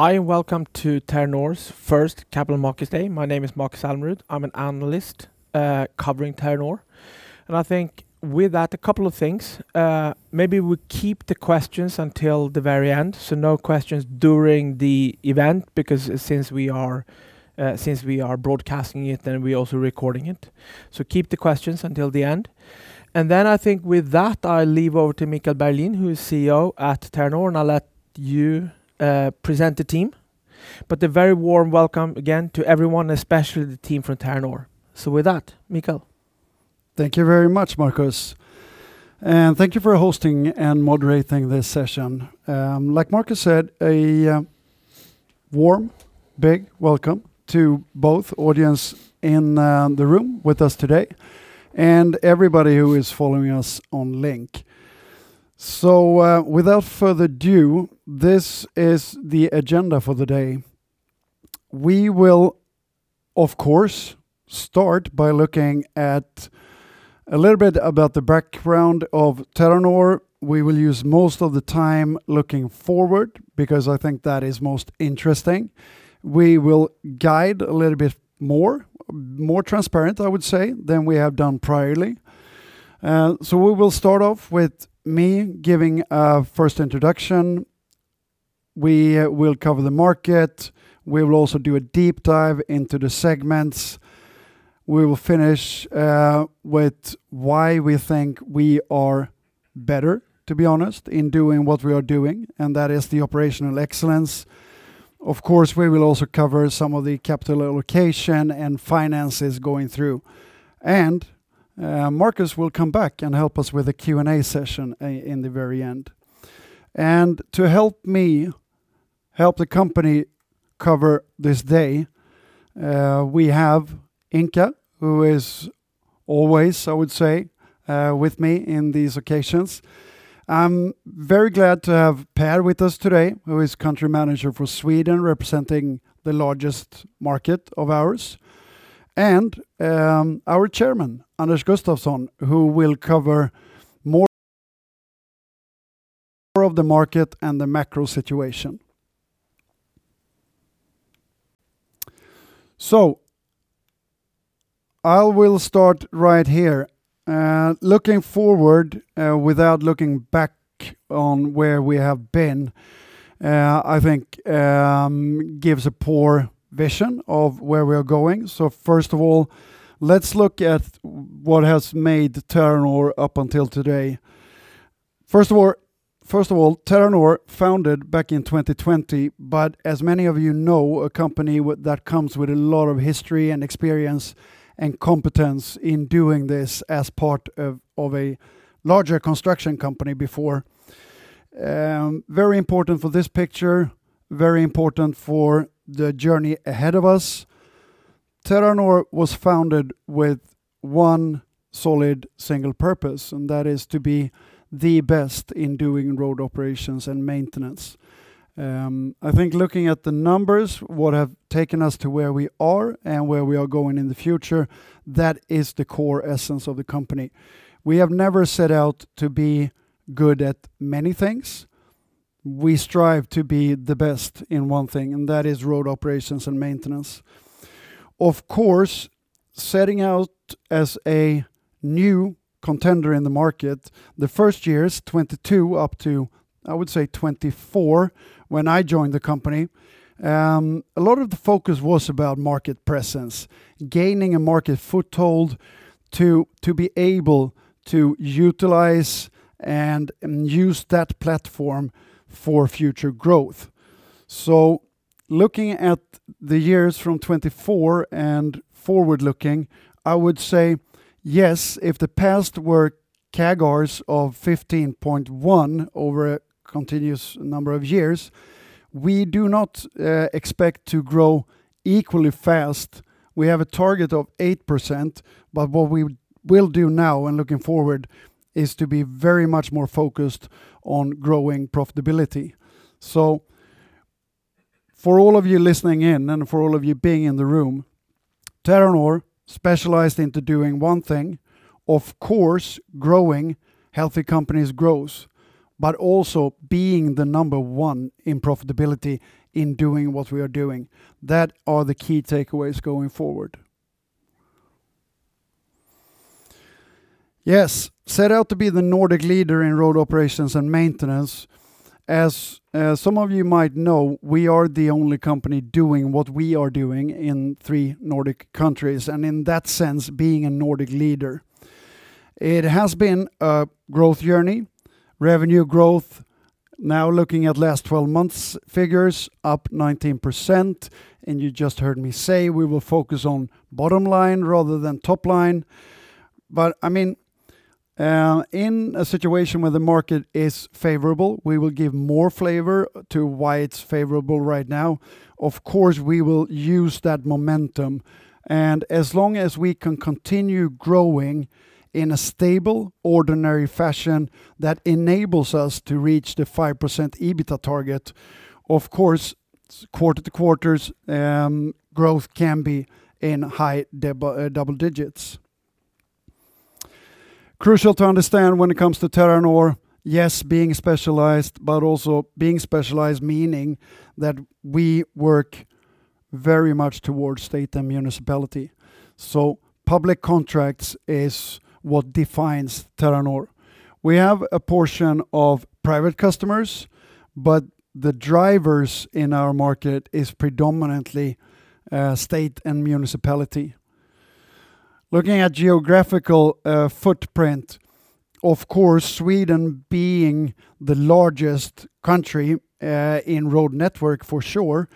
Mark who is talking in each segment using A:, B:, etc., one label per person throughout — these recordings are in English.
A: Hi, welcome to Terranor's first Capital Markets Day. My name is Markus Almerud. I'm an analyst covering Terranor. I think with that, a couple of things. Maybe we keep the questions until the very end, so no questions during the event, because since we are broadcasting it, then we're also recording it. Keep the questions until the end. I think with that, I'll leave over to Mikael Berglin, who's CEO at Terranor, and I'll let you present the team. A very warm welcome again to everyone, especially the team from Terranor. With that, Mikael.
B: Thank you very much, Markus. Thank you for hosting and moderating this session. Like Markus said, a warm, big welcome to both audience in the room with us today and everybody who is following us on link. Without further ado, this is the agenda for the day. We will, of course, start by looking at a little bit about the background of Terranor. We will use most of the time looking forward, because I think that is most interesting. We will guide a little bit more, more transparent, I would say, than we have done priorly. We will start off with me giving a first introduction. We will cover the market. We will also do a deep dive into the segments. We will finish with why we think we are better, to be honest, in doing what we are doing, and that is the operational excellence. Of course, we will also cover some of the capital allocation and finances going through. Markus will come back and help us with the Q&A session in the very end. To help me help the company cover this day, we have Inka, who is always, I would say, with me in these occasions. I'm very glad to have Per with us today, who is country manager for Sweden, representing the largest market of ours. Our Chairman, Anders Gustafsson, who will cover more of the market and the macro situation. I will start right here. Looking forward without looking back on where we have been, I think gives a poor vision of where we are going. First of all, let's look at what has made Terranor up until today. First of all, Terranor founded back in 2020, but as many of you know, a company that comes with a lot of history and experience and competence in doing this as part of a larger construction company before. Very important for this picture. Very important for the journey ahead of us. Terranor was founded with one solid single purpose, and that is to be the best in doing road operations and maintenance. I think looking at the numbers, what have taken us to where we are and where we are going in the future, that is the core essence of the company. We have never set out to be good at many things. We strive to be the best in one thing, and that is road operations and maintenance. Of course, setting out as a new contender in the market, the first years, 2022 up to, I would say 2024, when I joined the company, a lot of the focus was about market presence, gaining a market foothold to be able to utilize and use that platform for future growth. Looking at the years from 2024 and forward-looking, I would say yes, if the past were CAGRs of 15.1% over a continuous number of years, we do not expect to grow equally fast. We have a target of 8%, but what we will do now and looking forward is to be very much more focused on growing profitability. For all of you listening in and for all of you being in the room, Terranor specialized into doing one thing, of course, growing healthy companies gross, but also being the number one in profitability in doing what we are doing. That are the key takeaways going forward. Set out to be the Nordic leader in road operations and maintenance. As some of you might know, we are the only company doing what we are doing in three Nordic countries, and in that sense, being a Nordic leader. It has been a growth journey. Revenue growth, now looking at last 12 months figures, up 19%. You just heard me say we will focus on bottom line rather than top line. In a situation where the market is favorable, we will give more flavor to why it's favorable right now. Of course, we will use that momentum. As long as we can continue growing in a stable, ordinary fashion that enables us to reach the 5% EBITDA target, of course, quarter-to-quarters growth can be in high double digits. Crucial to understand when it comes to Terranor, yes, being specialized, but also being specialized meaning that we work very much towards state and municipality. Public contracts is what defines Terranor. We have a portion of private customers, but the drivers in our market is predominantly state and municipality. Looking at geographical footprint, of course, Sweden being the largest country in road network for sure,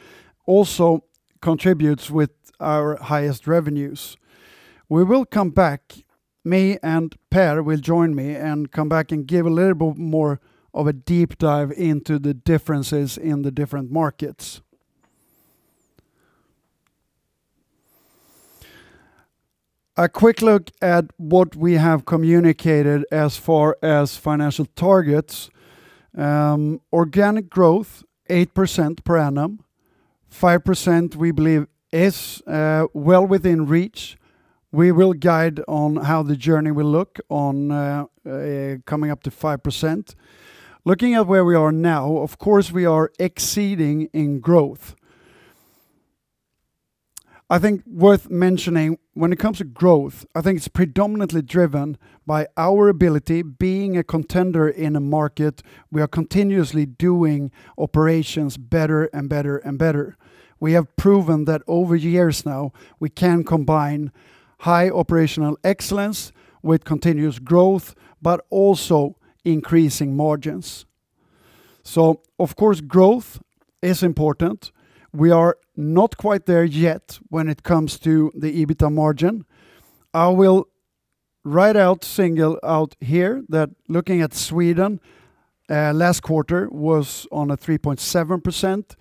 B: also contributes with our highest revenues. We will come back, me and Per will join me and come back and give a little bit more of a deep dive into the differences in the different markets. A quick look at what we have communicated as far as financial targets. Organic growth, 8% per annum, 5% we believe is well within reach. We will guide on how the journey will look on coming up to 5%. Looking at where we are now, of course, we are exceeding in growth. I think worth mentioning when it comes to growth, I think it's predominantly driven by our ability being a contender in a market. We are continuously doing operations better and better. We have proven that over the years now, we can combine high operational excellence with continuous growth, but also increasing margins. Of course, growth is important. We are not quite there yet when it comes to the EBITDA margin. I will right out single out here that looking at Sweden, last quarter was on a 3.7%.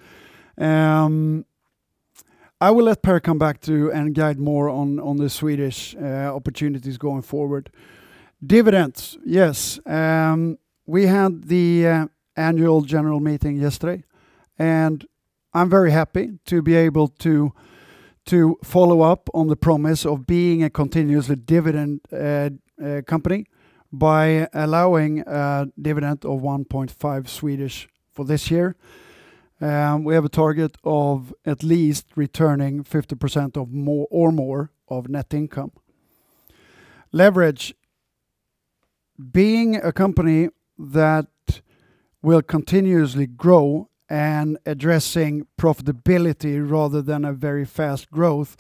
B: I will let Per come back to and guide more on the Swedish opportunities going forward. Dividends. Yes. We had the annual general meeting yesterday, and I'm very happy to be able to follow up on the promise of being a continuously dividend company by allowing a dividend of 1.5 for this year. We have a target of at least returning 50% or more of net income. Leverage. Being a company that will continuously grow and addressing profitability rather than a very fast growth,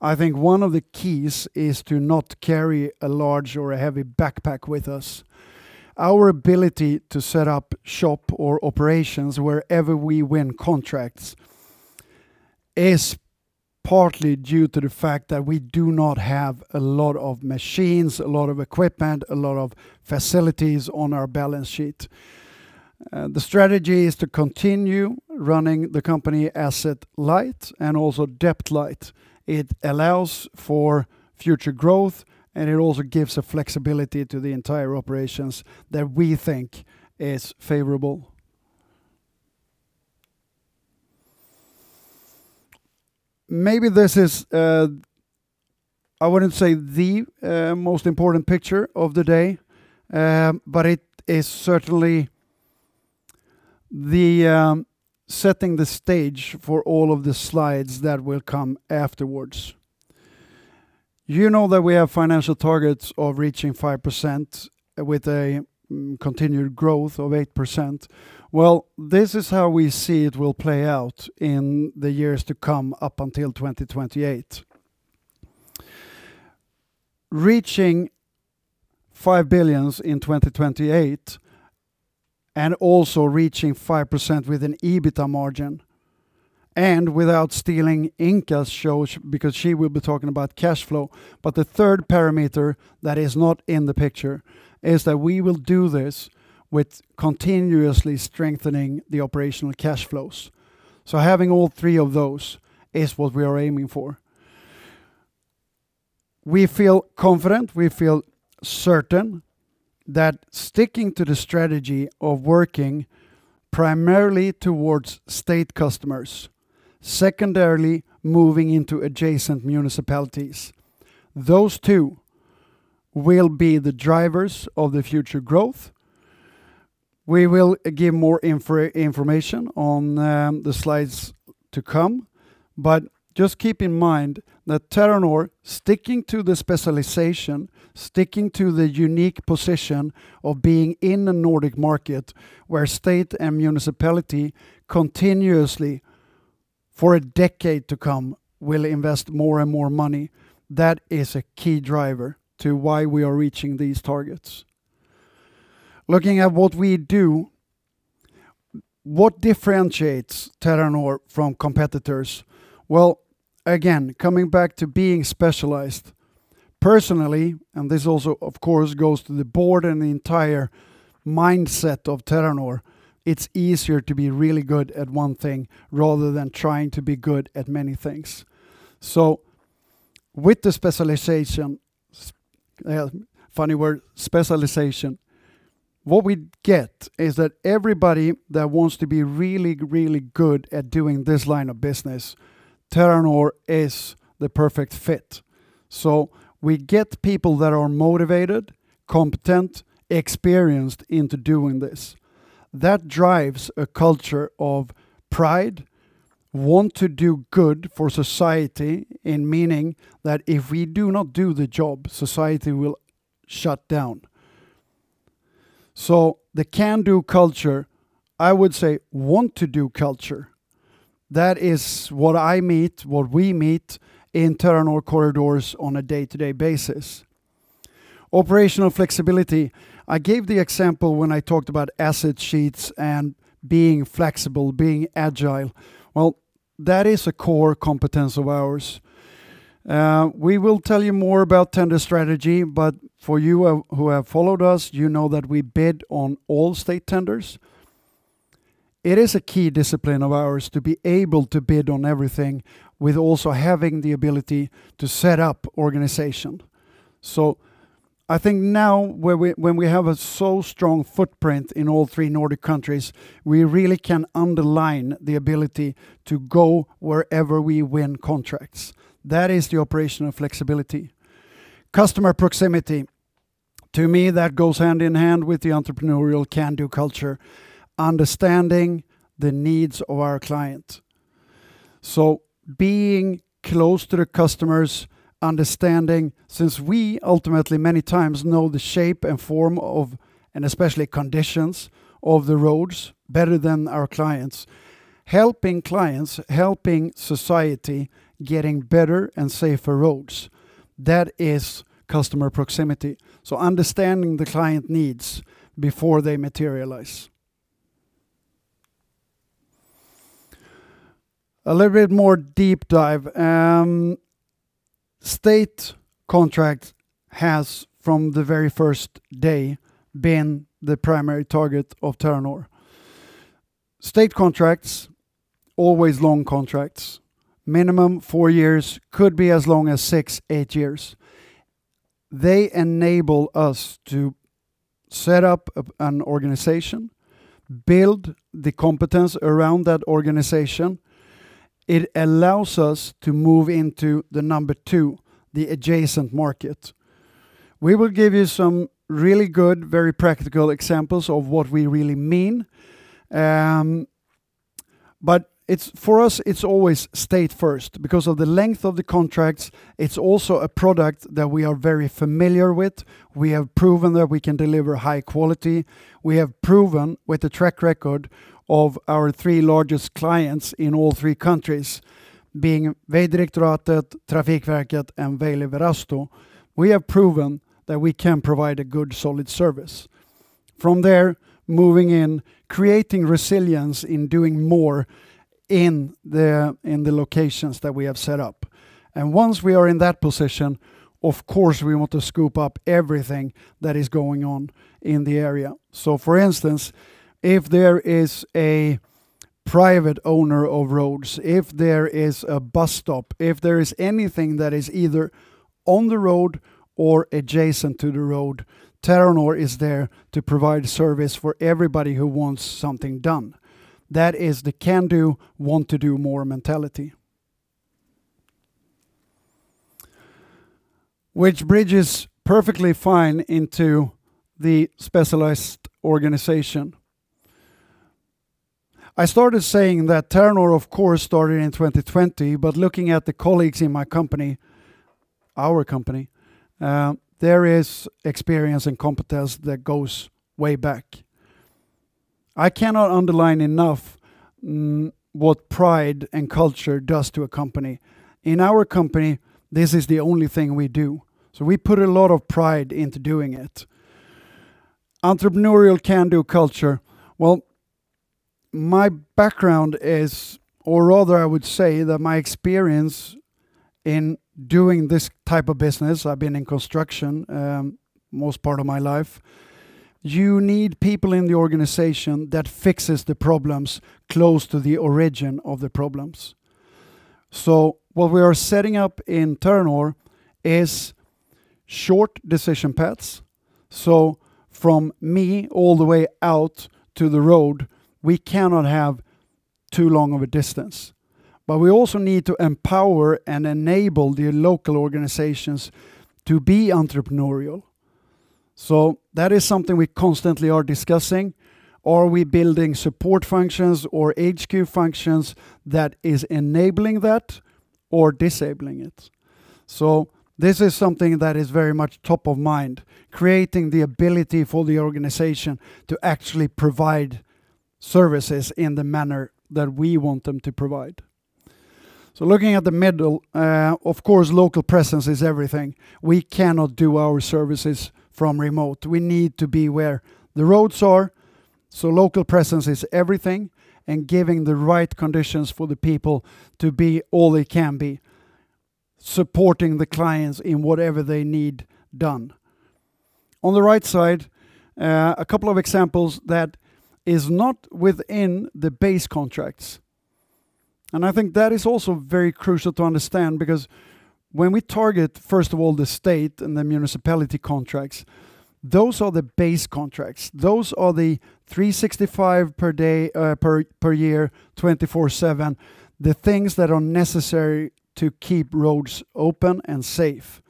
B: I think one of the keys is to not carry a large or a heavy backpack with us. Our ability to set up shop or operations wherever we win contracts is partly due to the fact that we do not have a lot of machines, a lot of equipment, a lot of facilities on our balance sheet. The strategy is to continue running the company asset light and also debt light. It allows for future growth, and it also gives a flexibility to the entire operations that we think is favorable. Maybe this is, I wouldn't say the most important picture of the day, but it is certainly setting the stage for all of the slides that will come afterwards. You know that we have financial targets of reaching 5% with a continued growth of 8%. Well, this is how we see it will play out in the years to come up until 2028. Reaching 5 billion in 2028 and also reaching 5% with an EBITDA margin, and without stealing Inka's show because she will be talking about cash flow, but the third parameter that is not in the picture is that we will do this with continuously strengthening the operational cash flows. Having all three of those is what we are aiming for. We feel confident, we feel certain that sticking to the strategy of working primarily towards state customers, secondarily moving into adjacent municipalities, those two will be the drivers of the future growth. We will give more information on the slides to come, but just keep in mind that Terranor sticking to the specialization, sticking to the unique position of being in the Nordic market where state and municipality continuously for a decade to come will invest more and more money. That is a key driver to why we are reaching these targets. Looking at what we do, what differentiates Terranor from competitors? Well, again, coming back to being specialized, personally, and this also, of course, goes to the board and the entire mindset of Terranor, it's easier to be really good at one thing rather than trying to be good at many things. With the specialization, funny word, specialization. What we get is that everybody that wants to be really, really good at doing this line of business, Terranor is the perfect fit. We get people that are motivated, competent, experienced into doing this. That drives a culture of pride, want to do good for society, in meaning that if we do not do the job, society will shut down. The can-do culture, I would say want to do culture. That is what I meet, what we meet in Terranor corridors on a day-to-day basis. Operational flexibility. I gave the example when I talked about asset sheets and being flexible, being agile. Well, that is a core competence of ours. We will tell you more about tender strategy, but for you who have followed us, you know that we bid on all state tenders. It is a key discipline of ours to be able to bid on everything with also having the ability to set up organization. I think now when we have a so strong footprint in all three Nordic countries, we really can underline the ability to go wherever we win contracts. That is the operational flexibility. Customer proximity, to me, that goes hand in hand with the entrepreneurial can-do culture, understanding the needs of our client. Being close to the customers, understanding, since we ultimately many times know the shape and form of, and especially conditions of the roads better than our clients, helping clients, helping society getting better and safer roads. That is customer proximity. Understanding the client needs before they materialize. A little bit more deep dive. State contract has from the very first day been the primary target of Terranor. State contracts, always long contracts, minimum four years, could be as long as six, eight years. They enable us to set up an organization, build the competence around that organization. It allows us to move into the number two, the adjacent market. We will give you some really good, very practical examples of what we really mean. For us, it's always state first because of the length of the contracts. It's also a product that we are very familiar with. We have proven that we can deliver high quality. We have proven with the track record of our three largest clients in all three countries, being Vejdirektoratet, Trafikverket, and Väylävirasto, we have proven that we can provide a good, solid service. From there, moving in, creating resilience in doing more in the locations that we have set up. Once we are in that position, of course, we want to scoop up everything that is going on in the area. For instance, if there is a private owner of roads, if there is a bus stop, if there is anything that is either on the road or adjacent to the road, Terranor is there to provide service for everybody who wants something done. That is the can-do, want to do more mentality. Which bridges perfectly fine into the specialized organization. I started saying that Terranor of course started in 2020, but looking at the colleagues in our company, there is experience and competence that goes way back. I cannot underline enough what pride and culture does to a company. In our company, this is the only thing we do. We put a lot of pride into doing it. Entrepreneurial can-do culture. Well, my background is, or rather I would say that my experience in doing this type of business, I've been in construction most part of my life, you need people in the organization that fixes the problems close to the origin of the problems. What we are setting up in Terranor is short decision paths. From me all the way out to the road, we cannot have too long of a distance, but we also need to empower and enable the local organizations to be entrepreneurial. That is something we constantly are discussing. Are we building support functions or HQ functions that is enabling that or disabling it? This is something that is very much top of mind, creating the ability for the organization to actually provide services in the manner that we want them to provide. Looking at the middle, of course, local presence is everything. We cannot do our services from remote. We need to be where the roads are. Local presence is everything and giving the right conditions for the people to be all they can be, supporting the clients in whatever they need done. On the right side, a couple of examples that is not within the base contracts. I think that is also very crucial to understand because when we target, first of all, the state and the municipality contracts, those are the base contracts. Those are the 365 per year, 24/7, the things that are necessary to keep roads open and safe.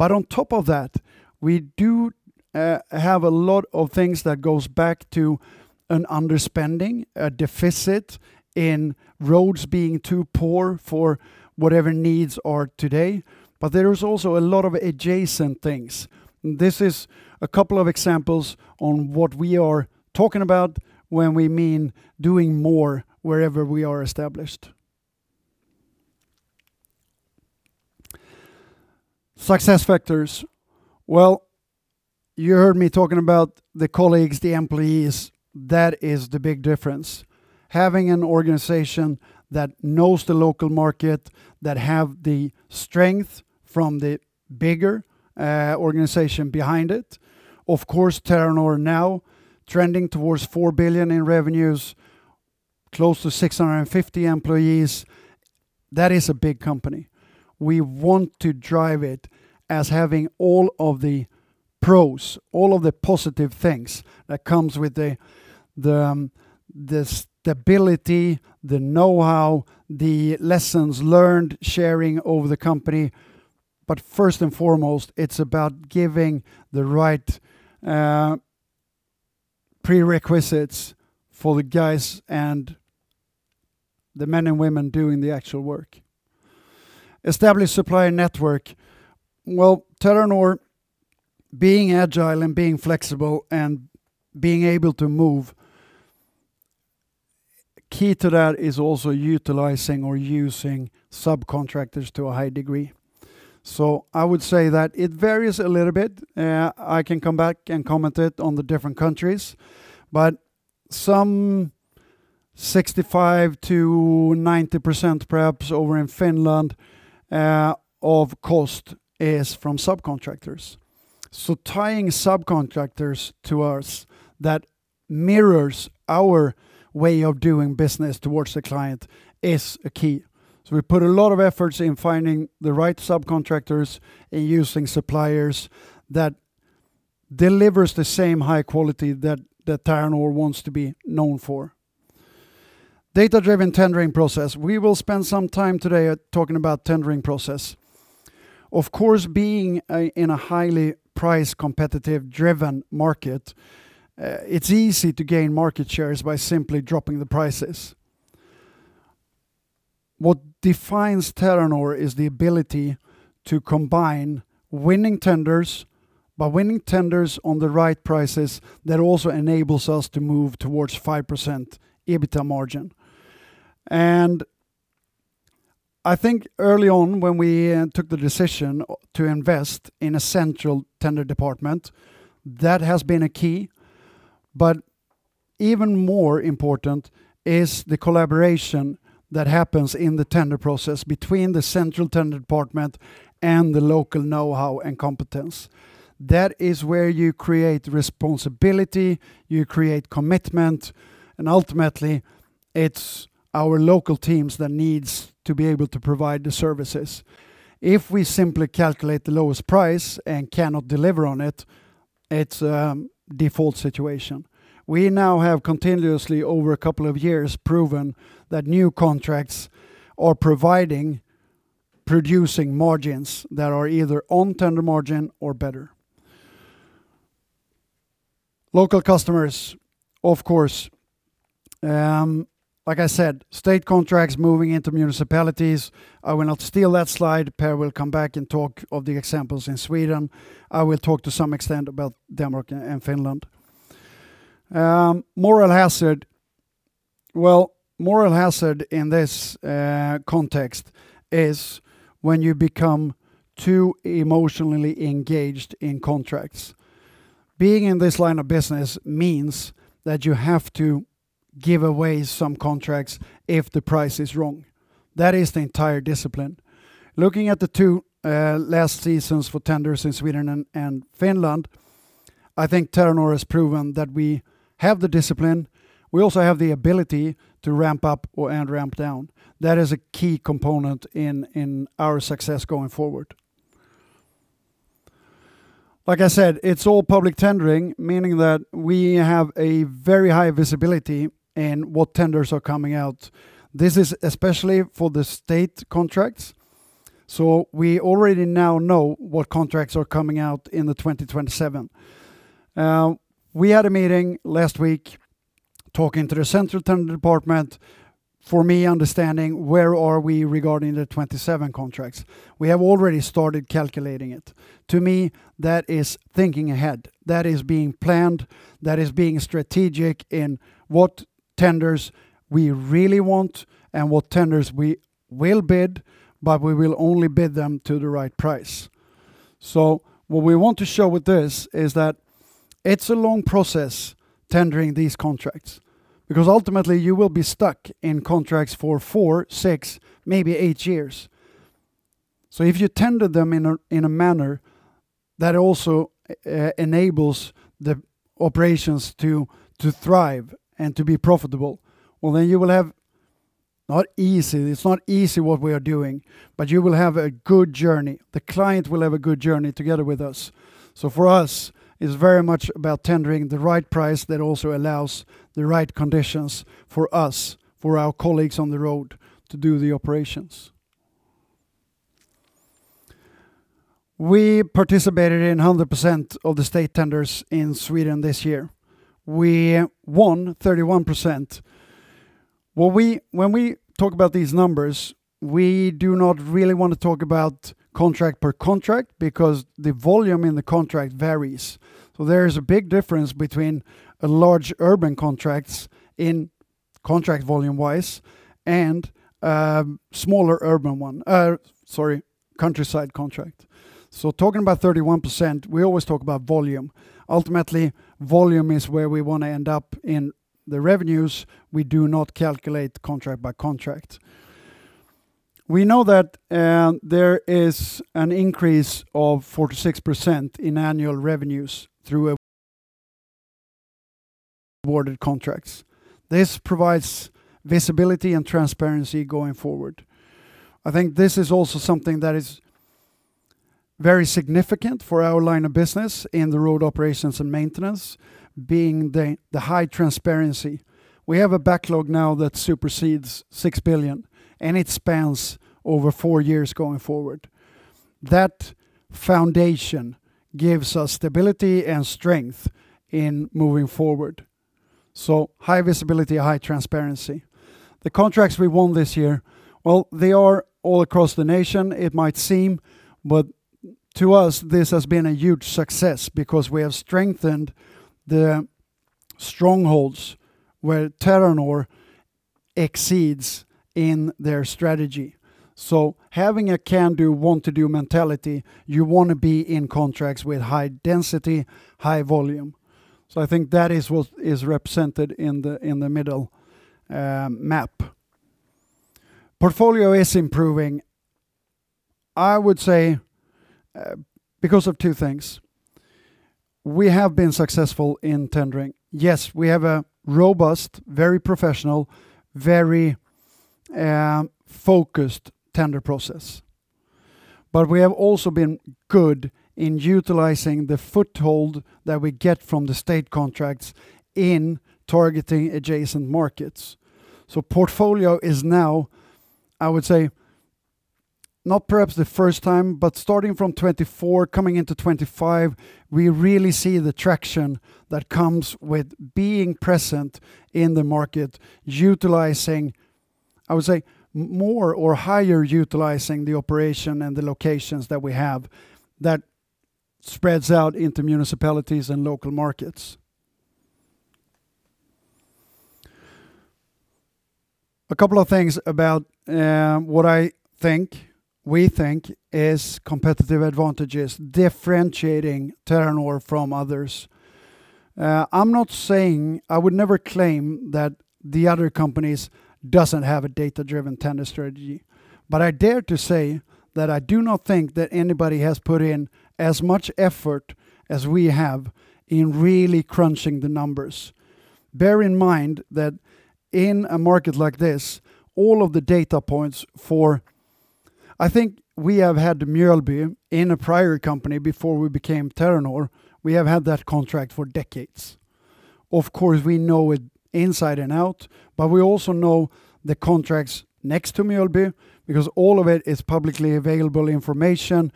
B: On top of that, we do have a lot of things that goes back to an underspending, a deficit in roads being too poor for whatever needs are today. There is also a lot of adjacent things. This is a couple of examples on what we are talking about when we mean doing more wherever we are established. Success factors. Well, you heard me talking about the colleagues, the employees. That is the big difference. Having an organization that knows the local market, that have the strength from the bigger organization behind it. Of course, Terranor now trending towards 4 billion in revenues, close to 650 employees. That is a big company. We want to drive it as having all of the pros, all of the positive things that comes with the stability, the know-how, the lessons learned, sharing over the company. First and foremost, it's about giving the right prerequisites for the guys and the men and women doing the actual work. Established supplier network. Well, Terranor, being agile and being flexible and being able to move, key to that is also utilizing or using subcontractors to a high degree. I would say that it varies a little bit. I can come back and comment it on the different countries, but some 65%-90%, perhaps over in Finland, of cost is from subcontractors. Tying subcontractors to us that mirrors our way of doing business towards the client is a key. We put a lot of efforts in finding the right subcontractors and using suppliers that delivers the same high quality that Terranor wants to be known for. Data-driven tendering process. We will spend some time today talking about tendering process. Of course, being in a highly price competitive driven market, it's easy to gain market shares by simply dropping the prices. What defines Terranor is the ability to combine winning tenders, but winning tenders on the right prices that also enables us to move towards 5% EBITDA margin. I think early on when we took the decision to invest in a central tender department, that has been a key, but even more important is the collaboration that happens in the tender process between the central tender department and the local know-how and competence. That is where you create responsibility, you create commitment, and ultimately it's our local teams that needs to be able to provide the services. If we simply calculate the lowest price and cannot deliver on it's a default situation. We now have continuously over a couple of years proven that new contracts are providing, producing margins that are either on tender margin or better. Local customers, of course, like I said, state contracts moving into municipalities. I will not steal that slide. Per will come back and talk of the examples in Sweden. I will talk to some extent about Denmark and Finland. Moral hazard. Well, moral hazard in this context is when you become too emotionally engaged in contracts. Being in this line of business means that you have to give away some contracts if the price is wrong. That is the entire discipline. Looking at the two last seasons for tenders in Sweden and Finland, I think Terranor has proven that we have the discipline. We also have the ability to ramp up and ramp down. That is a key component in our success going forward. Like I said, it's all public tendering, meaning that we have a very high visibility in what tenders are coming out. This is especially for the state contracts. We already now know what contracts are coming out in 2027. We had a meeting last week talking to the central tender department for me understanding where are we regarding the 2027 contracts. We have already started calculating it. To me, that is thinking ahead. That is being planned. That is being strategic in what tenders we really want and what tenders we will bid, but we will only bid them to the right price. What we want to show with this is that it's a long process tendering these contracts, because ultimately you will be stuck in contracts for four, six, maybe eight years. If you tender them in a manner that also enables the operations to thrive and to be profitable, well, then you will have not easy. It's not easy what we are doing, you will have a good journey. The client will have a good journey together with us. For us, it's very much about tendering the right price that also allows the right conditions for us, for our colleagues on the road to do the operations. We participated in 100% of the state tenders in Sweden this year. We won 31%. When we talk about these numbers, we do not really want to talk about contract per contract because the volume in the contract varies. There is a big difference between a large urban contracts in contract volume-wise and smaller urban one. Sorry, countryside contract. Talking about 31%, we always talk about volume. Ultimately, volume is where we want to end up in the revenues. We do not calculate contract by contract. We know that there is an increase of 46% in annual revenues through awarded contracts. This provides visibility and transparency going forward. I think this is also something that is very significant for our line of business in the road operations and maintenance, being the high transparency. We have a backlog now that supersedes 6 billion, and it spans over four years going forward. That foundation gives us stability and strength in moving forward. High visibility, high transparency. The contracts we won this year, well, they are all across the nation, it might seem, but to us, this has been a huge success because we have strengthened the strongholds where Terranor exceeds in their strategy. Having a can-do, want-to-do mentality, you want to be in contracts with high density, high volume. I think that is what is represented in the middle map. Portfolio is improving, I would say, because of two things. We have been successful in tendering. Yes, we have a robust, very professional, very focused tender process. We have also been good in utilizing the foothold that we get from the state contracts in targeting adjacent markets. Portfolio is now, I would say, not perhaps the first time, but starting from 2024, coming into 2025, we really see the traction that comes with being present in the market, utilizing, I would say, more or higher utilizing the operation and the locations that we have that spreads out into municipalities and local markets. A couple of things about what I think we think is competitive advantages differentiating Terranor from others. I would never claim that the other companies doesn't have a data-driven tender strategy, but I dare to say that I do not think that anybody has put in as much effort as we have in really crunching the numbers. Bear in mind that in a market like this, all of the data points for I think we have had Mjölby in a prior company before we became Terranor. We have had that contract for decades. Of course, we know it inside and out, but we also know the contracts next to Mjölby because all of it is publicly available information.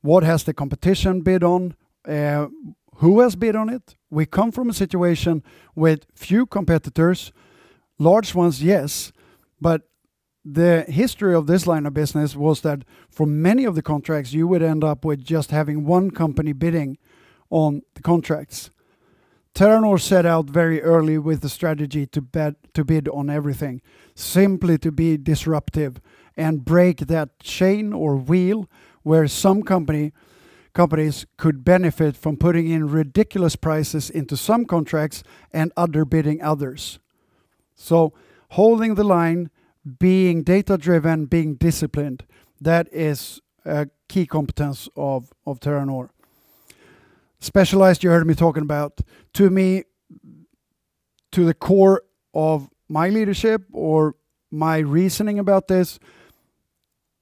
B: What has the competition bid on? Who has bid on it? We come from a situation with few competitors. Large ones, yes. The history of this line of business was that for many of the contracts, you would end up with just having one company bidding on the contracts. Terranor set out very early with the strategy to bid on everything, simply to be disruptive and break that chain or wheel where some companies could benefit from putting in ridiculous prices into some contracts and underbidding others. Holding the line, being data-driven, being disciplined, that is a key competence of Terranor. Specialized, you heard me talking about, to me, to the core of my leadership or my reasoning about this,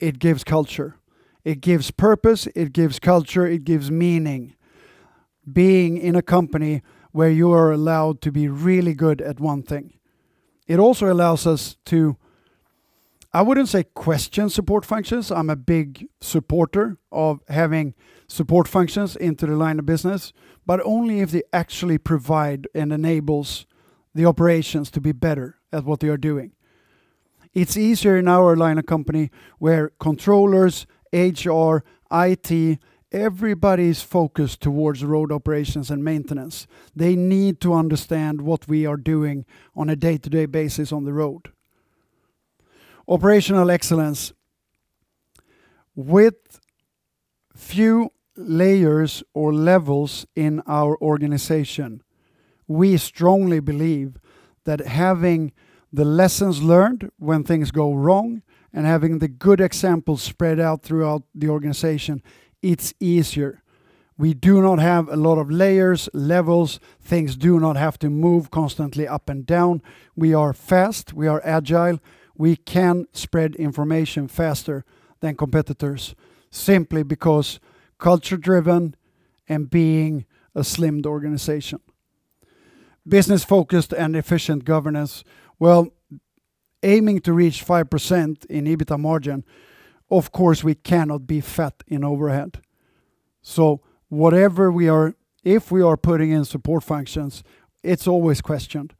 B: it gives culture. It gives purpose, it gives culture, it gives meaning. Being in a company where you are allowed to be really good at one thing. It also allows us to, I wouldn't say question support functions. I'm a big supporter of having support functions into the line of business, but only if they actually provide and enables the operations to be better at what they are doing. It's easier in our line of company where controllers, HR, IT, everybody's focused towards road operations and maintenance. They need to understand what we are doing on a day-to-day basis on the road. Operational excellence. With few layers or levels in our organization. We strongly believe that having the lessons learned when things go wrong and having the good examples spread out throughout the organization, it's easier. We do not have a lot of layers, levels. Things do not have to move constantly up and down. We are fast, we are agile. We can spread information faster than competitors simply because culture-driven and being a slimmed organization. Business-focused and efficient governance. Well, aiming to reach 5% in EBITDA margin, of course we cannot be fat in overhead. If we are putting in support functions, it's always questioned,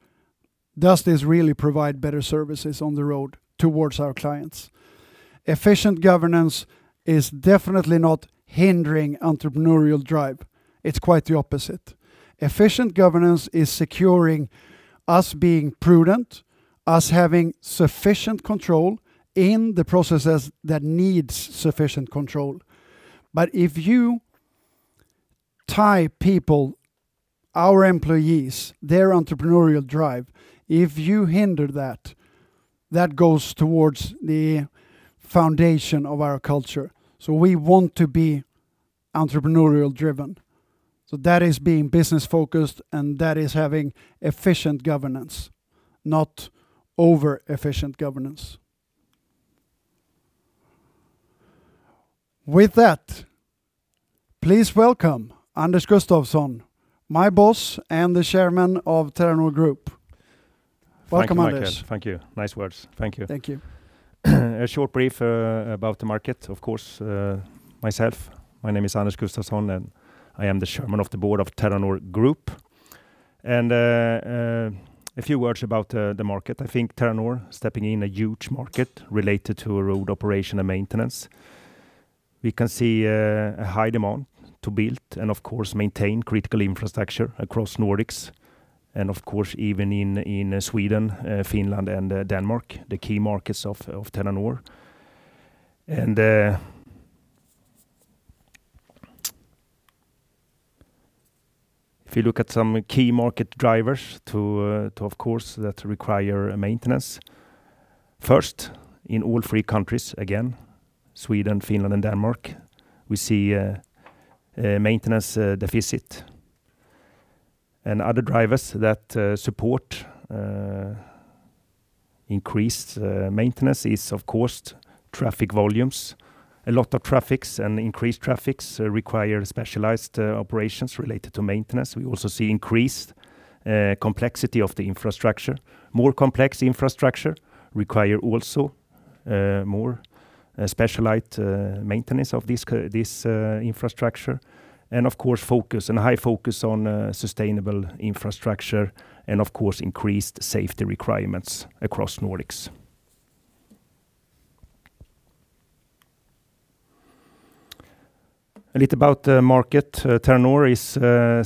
B: does this really provide better services on the road towards our clients? Efficient governance is definitely not hindering entrepreneurial drive. It's quite the opposite. Efficient governance is securing us being prudent, us having sufficient control in the processes that need sufficient control. If you tie people, our employees, their entrepreneurial drive, if you hinder that goes towards the foundation of our culture. We want to be entrepreneurially driven. That is being business-focused and that is having efficient governance, not over-efficient governance. With that, please welcome Anders Gustafsson, my boss and the Chairman of Terranor Group. Welcome, Anders.
C: Thank you, Mikael. Thank you. Nice words. Thank you.
B: Thank you.
C: A short brief about the market, of course. Myself, my name is Anders Gustafsson, and I am the Chairman of the Board of Terranor Group. A few words about the market. I think Terranor stepping in a huge market related to road operation and maintenance. We can see a high demand to build and of course maintain critical infrastructure across Nordics and of course even in Sweden, Finland and Denmark, the key markets of Terranor. If you look at some key market drivers that require maintenance, first in all three countries, again, Sweden, Finland and Denmark, we see a maintenance deficit. Other drivers that support increased maintenance is of course traffic volumes. A lot of traffics and increased traffics require specialized operations related to maintenance. We also see increased complexity of the infrastructure. More complex infrastructure require also more specialized maintenance of this infrastructure and of course high focus on sustainable infrastructure and of course increased safety requirements across Nordics. A little about the market. Terranor is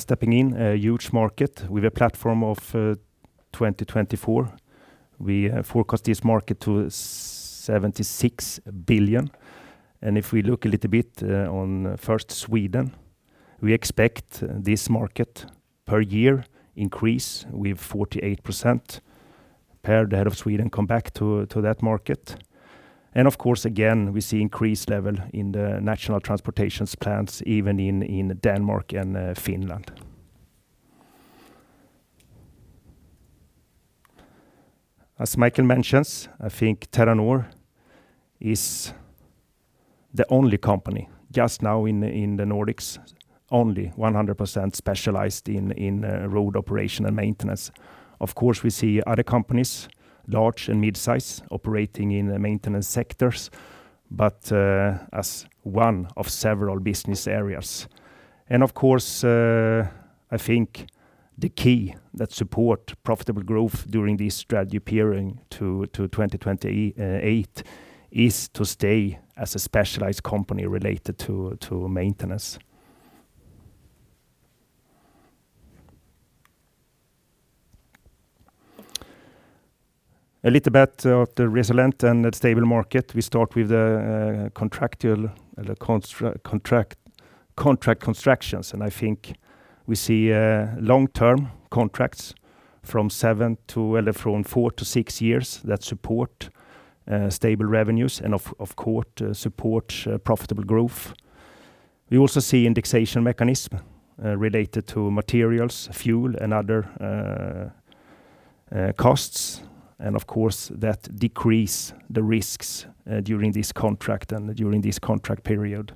C: stepping in a huge market with a platform of 2024. We forecast this market to 76 billion. If we look a little bit on first Sweden, we expect this market per year increase with 48% compared to help Sweden come back to that market. Of course again we see increased level in the national transportation plans even in Denmark and Finland. As Mikael mentions, I think Terranor is the only company just now in the Nordics, only 100% specialized in road operation and maintenance. Of course, we see other companies large and mid-size operating in the maintenance sectors, but as one of several business areas. Of course, I think the key that support profitable growth during this strategy period to 2028 is to stay as a specialized company related to maintenance, a little bit of the resilient and the stable market. We start with contract constructions, and I think we see long-term contracts from four to six years that support stable revenues and of course support profitable growth. We also see indexation mechanism related to materials, fuel and other costs and of course that decrease the risks during this contract and during this contract period.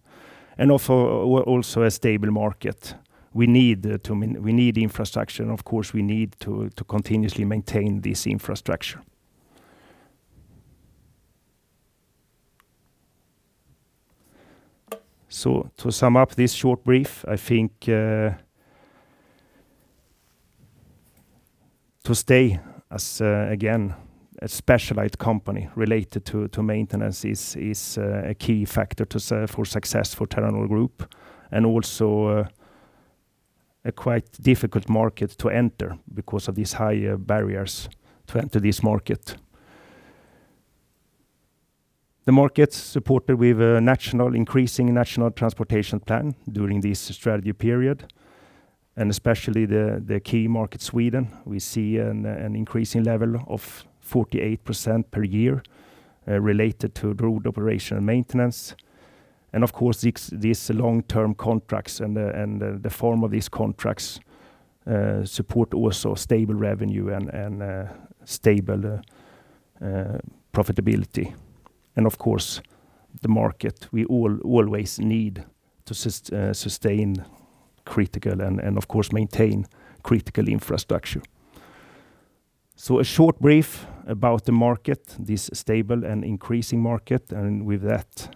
C: Also a stable market. We need infrastructure and of course we need to continuously maintain this infrastructure. To sum up this short brief, I think to stay as, again, a specialized company related to maintenance is a key factor for success for Terranor Group and also a quite difficult market to enter because of these higher barriers to enter this market. The market's supported with increasing national transportation plan during this strategy period, and especially the key market, Sweden. We see an increasing level of 48% per year related to road operation and maintenance. Of course, these long-term contracts and the form of these contracts support also stable revenue and stable profitability. Of course, the market we always need to sustain critical and of course, maintain critical infrastructure. A short brief about the market, this stable and increasing market. With that,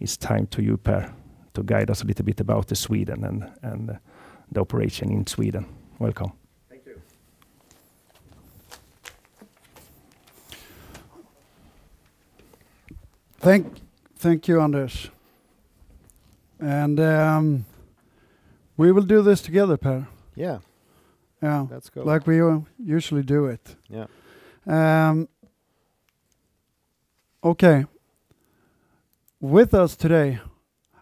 C: it's time to you, Per, to guide us a little bit about Sweden and the operation in Sweden. Welcome.
D: Thank you.
B: Thank you, Anders. We will do this together, Per.
D: Yeah.
B: Yeah.
D: That's good.
B: Like we usually do it.
D: Yeah.
B: Okay. With us today,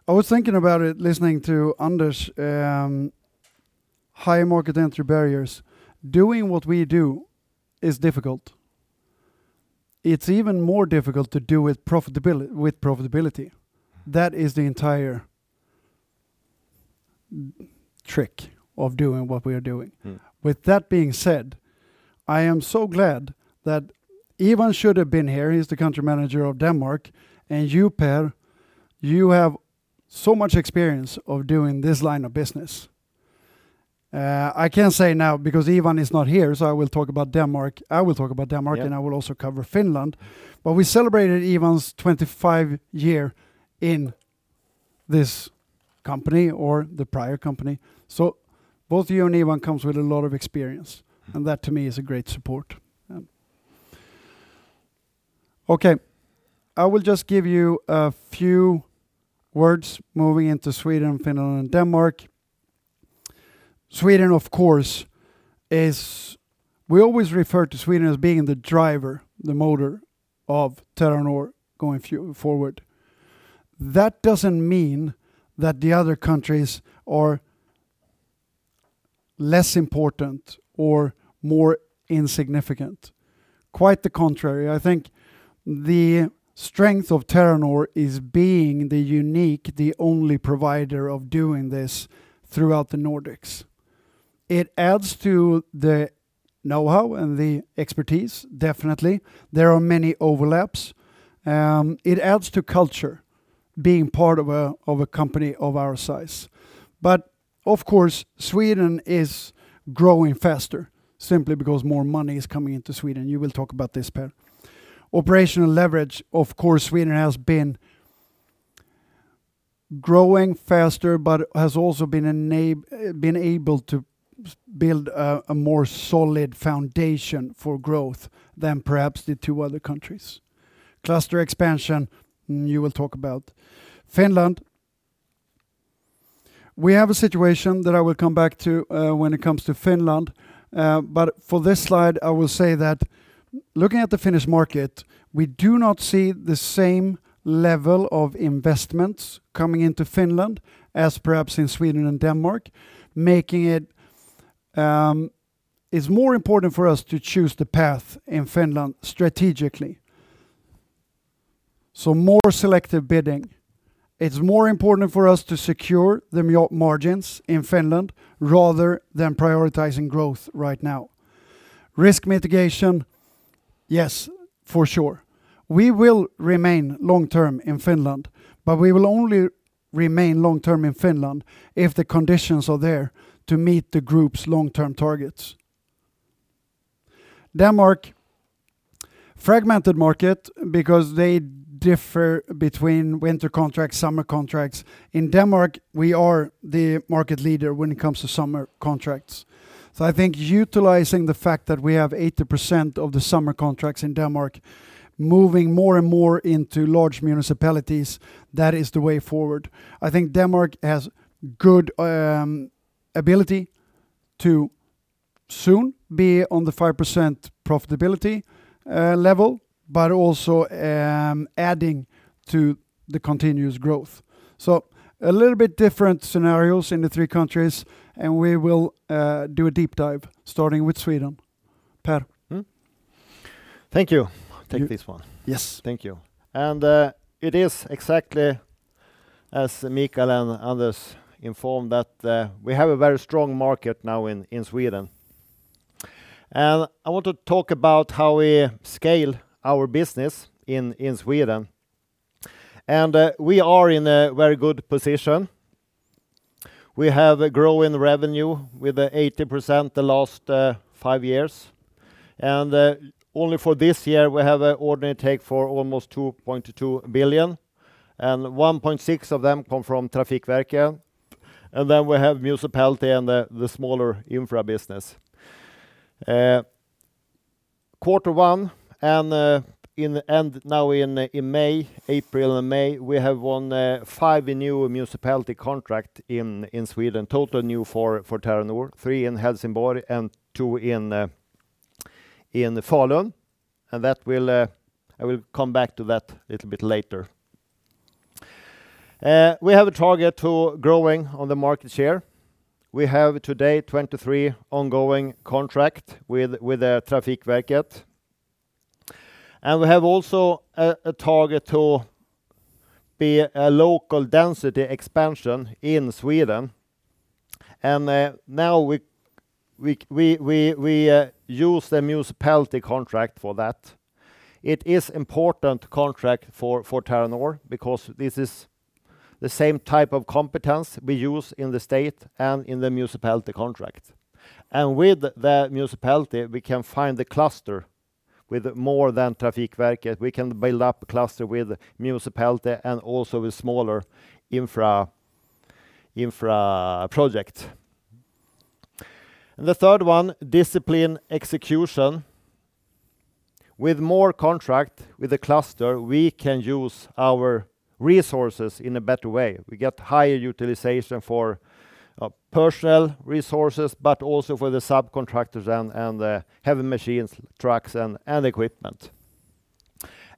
B: I was thinking about it, listening to Anders, high market entry barriers. Doing what we do is difficult. It's even more difficult to do with profitability. That is the entire trick of doing what we are doing. With that being said, I am so glad that Ivan should have been here. He's the country manager of Denmark. You, Per, you have so much experience of doing this line of business. I can't say now because Ivan is not here, so I will talk about Denmark. I will talk about Denmark, and I will also cover Finland. We celebrated Ivan's 25 years in this company or the prior company. Both you and Ivan comes with a lot of experience, and that to me is a great support.
D: Yeah.
B: Okay. I will just give you a few words moving into Sweden, Finland, and Denmark. Sweden, of course, we always refer to Sweden as being the driver, the motor of Terranor going forward. That doesn't mean that the other countries are less important or more insignificant. Quite the contrary. I think the strength of Terranor is being the unique, the only provider of doing this throughout the Nordics. It adds to the knowhow and the expertise, definitely. There are many overlaps. It adds to culture being part of a company of our size. Of course, Sweden is growing faster simply because more money is coming into Sweden. You will talk about this, Per. Operational leverage, of course, Sweden has been growing faster but has also been able to build a more solid foundation for growth than perhaps the two other countries. Cluster expansion, you will talk about. Finland. We have a situation that I will come back to when it comes to Finland. For this slide, I will say that looking at the Finnish market, we do not see the same level of investments coming into Finland as perhaps in Sweden and Denmark, making it more important for us to choose the path in Finland strategically. More selective bidding. It's more important for us to secure the margins in Finland rather than prioritizing growth right now. Risk mitigation, yes, for sure. We will remain long-term in Finland, but we will only remain long-term in Finland if the conditions are there to meet the group's long-term targets. Denmark, fragmented market because they differ between winter contracts, summer contracts. In Denmark, we are the market leader when it comes to summer contracts. I think utilizing the fact that we have 80% of the summer contracts in Denmark moving more and more into large municipalities, that is the way forward. I think Denmark has good ability to soon be on the 5% profitability level, but also adding to the continuous growth. A little bit different scenarios in the three countries, and we will do a deep dive starting with Sweden. Per.
D: Thank you.
B: Take this one.
D: Yes, thank you. It is exactly as Mikael and Anders informed that we have a very strong market now in Sweden. I want to talk about how we scale our business in Sweden. We are in a very good position. We have a growing revenue with 80% the last five years, only for this year, we have an order intake for almost 2.2 billion and 1.6 billion of them come from Trafikverket. We have municipality and the smaller infra business. Q1, now in April and May, we have won five new municipality contract in Sweden, total new for Terranor. Three in Helsingborg and two in Falun. I will come back to that a little bit later. We have a target to growing on the market share. We have today 23 ongoing contract with Trafikverket, and we have also a target to be a local density expansion in Sweden. Now we use the municipality contract for that. It is important contract for Terranor because this is the same type of competence we use in the state and in the municipality contract. With the municipality, we can find the cluster with more than Trafikverket. We can build up a cluster with municipality and also with smaller infra project. The third one, discipline execution. With more contract with the cluster, we can use our resources in a better way. We get higher utilization for personal resources, but also for the subcontractors and the heavy machines, trucks, and equipment.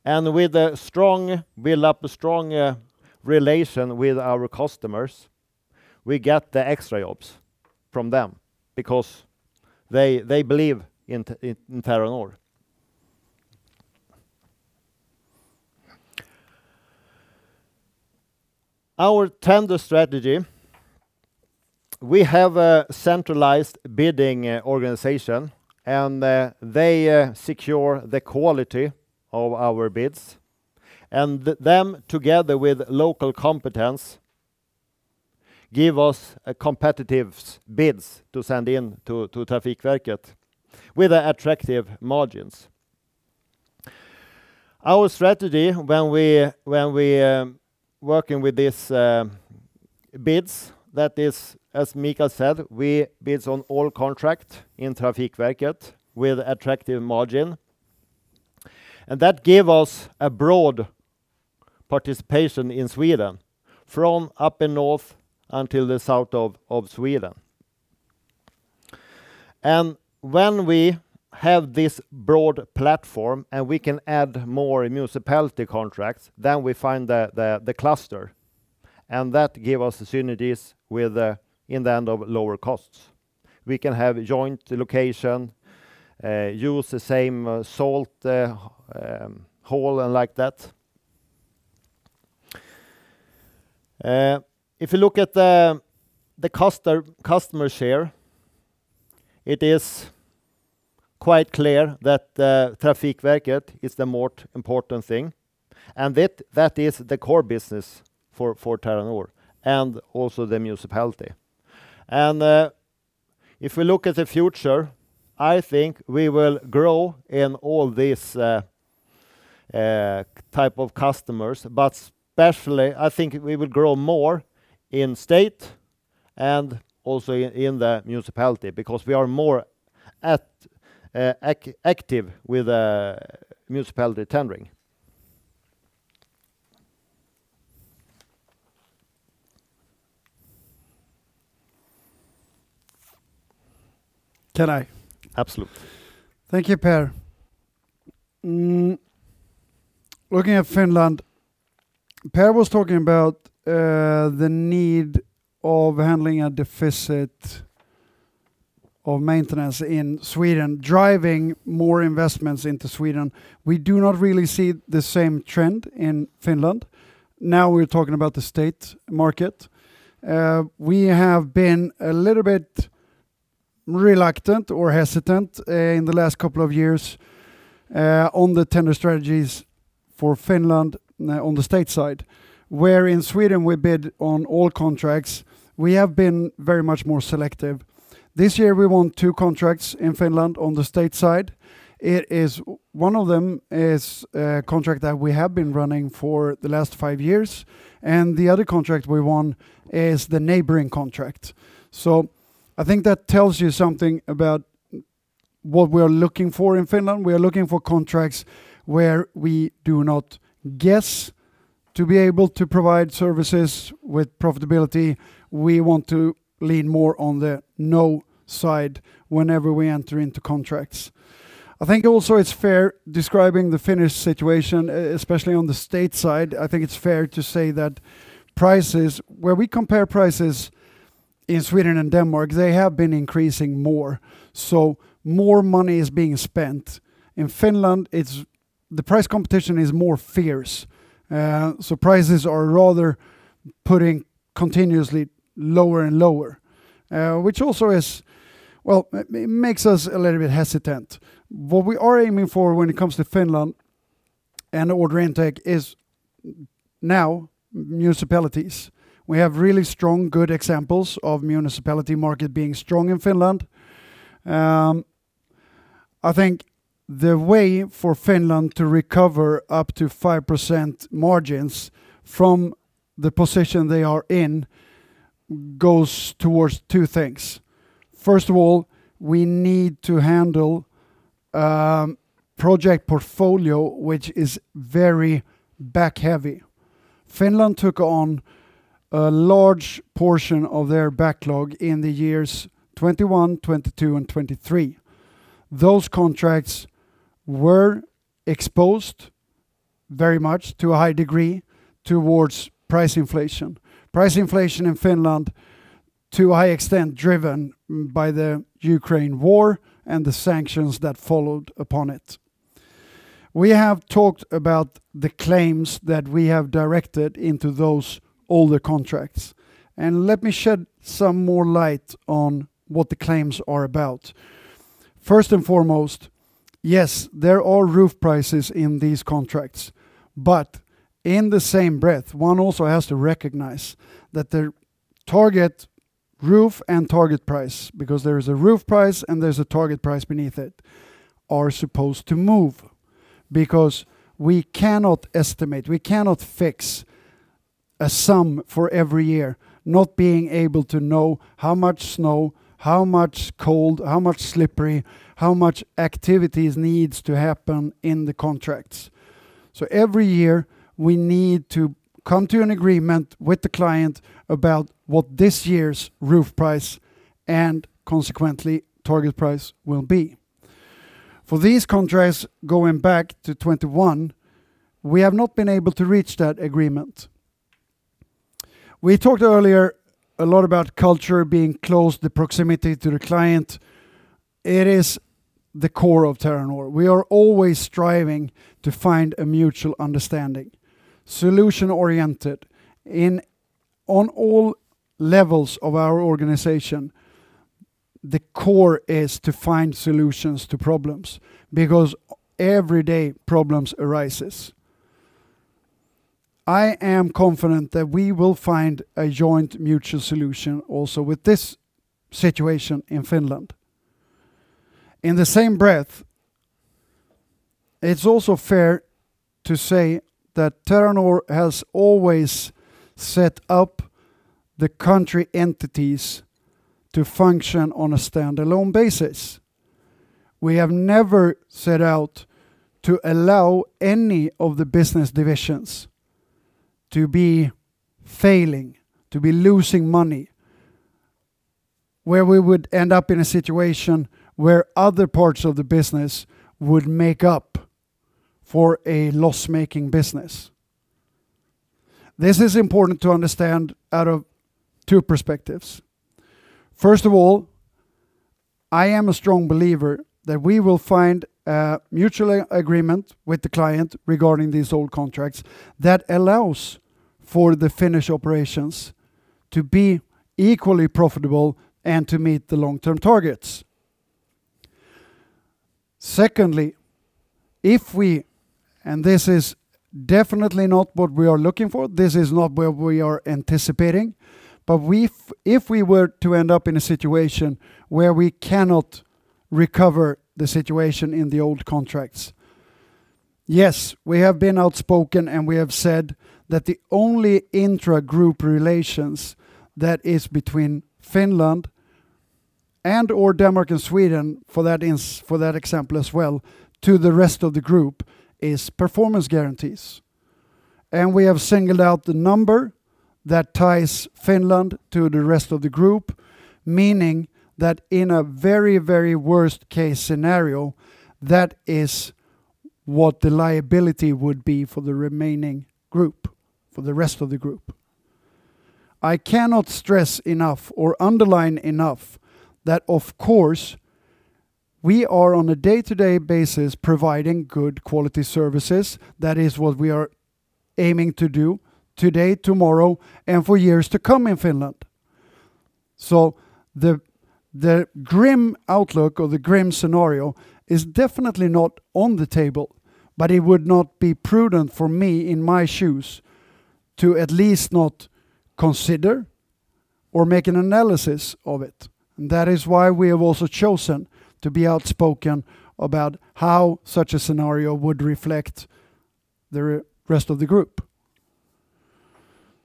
D: With the build up a strong relation with our customers, we get the extra jobs from them because they believe in Terranor. Our tender strategy, we have a centralized bidding organization, and they secure the quality of our bids. Them, together with local competence, give us competitive bids to send in to Trafikverket with attractive margins. Our strategy when we working with these bids, that is, as Mikael said, we bid on all contract in Trafikverket with attractive margin, and that give us a broad participation in Sweden from up in north until the south of Sweden. When we have this broad platform and we can add more municipality contracts, we find the cluster, and that give us synergies in the end of lower costs. We can have a joint location, use the same salt, halls, and like that. If you look at the customer share, it is quite clear that Trafikverket is the most important thing, that is the core business for Terranor and also the municipality. If we look at the future, I think we will grow in all these type of customers, especially, I think we will grow more in state and also in the municipality because we are more active with municipality tendering.
B: Can I?
D: Absolutely.
B: Thank you, Per. Looking at Finland, Per was talking about the need of handling a deficit of maintenance in Sweden, driving more investments into Sweden. We do not really see the same trend in Finland. We're talking about the state market. We have been a little bit reluctant or hesitant in the last couple of years on the tender strategies for Finland on the state side. In Sweden we bid on all contracts, we have been very much more selective. This year, we won two contracts in Finland on the state side. One of them is a contract that we have been running for the last five years, and the other contract we won is the neighboring contract. I think that tells you something about what we're looking for in Finland. We're looking for contracts where we do not guess to be able to provide services with profitability. We want to lean more on the know side whenever we enter into contracts. I think also it's fair describing the Finnish situation, especially on the state side, I think it's fair to say that when we compare prices in Sweden and Denmark, they have been increasing more, so more money is being spent. In Finland, the price competition is more fierce, so prices are rather putting continuously lower and lower, which also makes us a little bit hesitant. What we are aiming for when it comes to Finland and order intake is now municipalities. We have really strong, good examples of municipality market being strong in Finland. I think the way for Finland to recover up to 5% margins from the position they are in goes towards two things. First of all, we need to handle project portfolio, which is very back heavy. Finland took on a large portion of their backlog in the years 2021, 2022, and 2023. Those contracts were exposed very much to a high degree towards price inflation. Price inflation in Finland, to a high extent driven by the Ukraine War and the sanctions that followed upon it. We have talked about the claims we have directed on all the contracts. Let me shed some more light on what the claims are about. First and foremost, yes, there are roof prices in these contracts, but in the same breath, one also has to recognize that their target roof and target price, because there is a roof price and there is a target price beneath it, are supposed to move. We cannot estimate, we cannot fix a sum for every year, not being able to know how much snow, how much cold, how much slippery, how much activities needs to happen in the contracts. Every year, we need to come to an agreement with the client about what this year's roof price and consequently target price will be. For these contracts going back to 2021, we have not been able to reach that agreement. We talked earlier a lot about culture being close, the proximity to the client. It is the core of Terranor. We are always striving to find a mutual understanding, solution-oriented on all levels of our organization. The core is to find solutions to problems, because everyday problems arises. I am confident that we will find a joint mutual solution also with this situation in Finland. In the same breath, it is also fair to say that Terranor has always set up the country entities to function on a standalone basis. We have never set out to allow any of the business divisions to be failing, to be losing money, where we would end up in a situation where other parts of the business would make up for a loss-making business. This is important to understand out of two perspectives. First of all, I am a strong believer that we will find a mutual agreement with the client regarding these old contracts that allows for the Finnish operations to be equally profitable and to meet the long-term targets. Secondly, if we, this is definitely not what we are looking for, this is not what we are anticipating, but if we were to end up in a situation where we cannot recover the situation in the old contracts, yes, we have been outspoken, and we have said that the only intra-group relations that is between Finland and or Denmark or Sweden, for that example as well, to the rest of the group, is performance guarantees. We have singled out the number that ties Finland to the rest of the group, meaning that in a very worst-case scenario, that is what the liability would be for the remaining group, for the rest of the group. I cannot stress enough or underline enough that, of course, we are on a day-to-day basis providing good quality services. That is what we are aiming to do today, tomorrow, and for years to come in Finland. The grim outlook or the grim scenario is definitely not on the table, but it would not be prudent for me in my shoes to at least not consider or make an analysis of it. That is why we have also chosen to be outspoken about how such a scenario would reflect the rest of the group.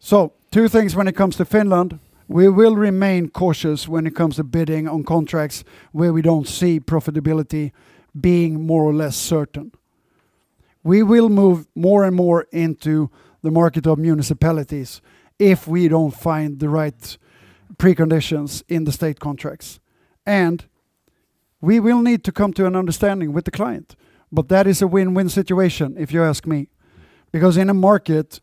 B: Two things when it comes to Finland. We will remain cautious when it comes to bidding on contracts where we don't see profitability being more or less certain. We will move more and more into the market of municipalities if we don't find the right preconditions in the state contracts. We will need to come to an understanding with the client. That is a win-win situation if you ask me, because in a market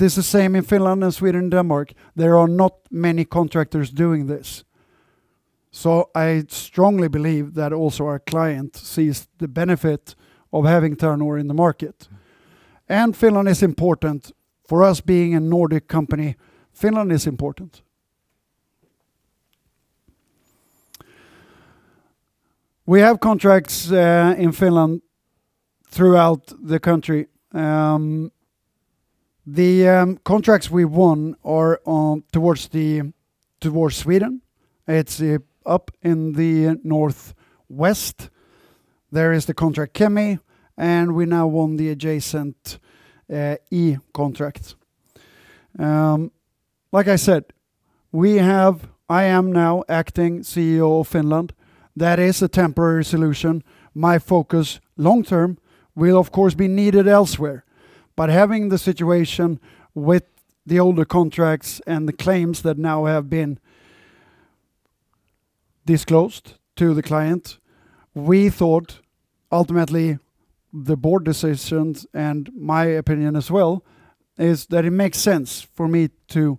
B: is the same in Finland as Sweden, Denmark, there are not many contractors doing this. I strongly believe that also our client sees the benefit of having Terranor in the market. Finland is important. For us being a Nordic company, Finland is important. We have contracts in Finland throughout the country. The contracts we won are towards Sweden. It's up in the northwest. There is the contract Kemi, and we now won the adjacent Ii contract. Like I said, I am now acting CEO of Finland. That is a temporary solution. My focus long term will, of course, be needed elsewhere. Having the situation with the older contracts and the claims that now have been disclosed to the client, we thought ultimately the board decisions and my opinion as well is that it makes sense for me to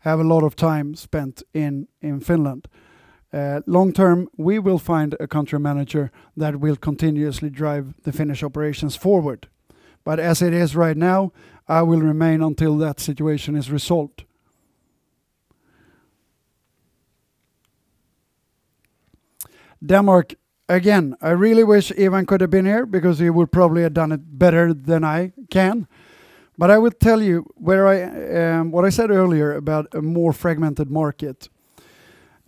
B: have a lot of time spent in Finland. Long term, we will find a country manager that will continuously drive the Finnish operations forward. As it is right now, I will remain until that situation is resolved. Denmark, again, I really wish Ivan Pedersen could have been here because he would probably have done it better than I can. I would tell you what I said earlier about a more fragmented market.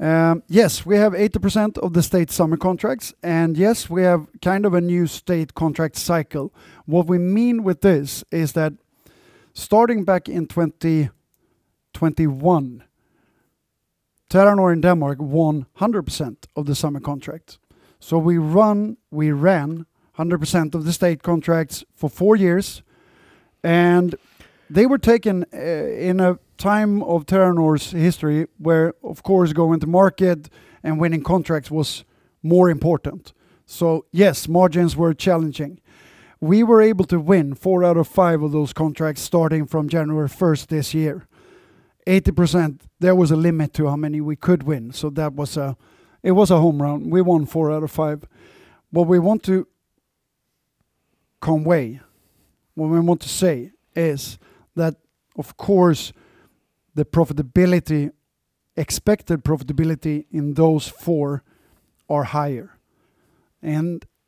B: Yes, we have 80% of the state summer contracts and yes, we have a new state contract cycle. What we mean with this is that starting back in 2021, Terranor in Denmark won 100% of the summer contracts. We ran 100% of the state contracts for four years, and they were taken in a time of Terranor's history where, of course, going to market and winning contracts was more important. Yes, margins were challenging. We were able to win four out of five of those contracts starting from January 1st this year, 80%. There was a limit to how many we could win, so it was a home run. We won 4 out of 5. What we want to convey, what we want to say is that, of course, the expected profitability in those four are higher.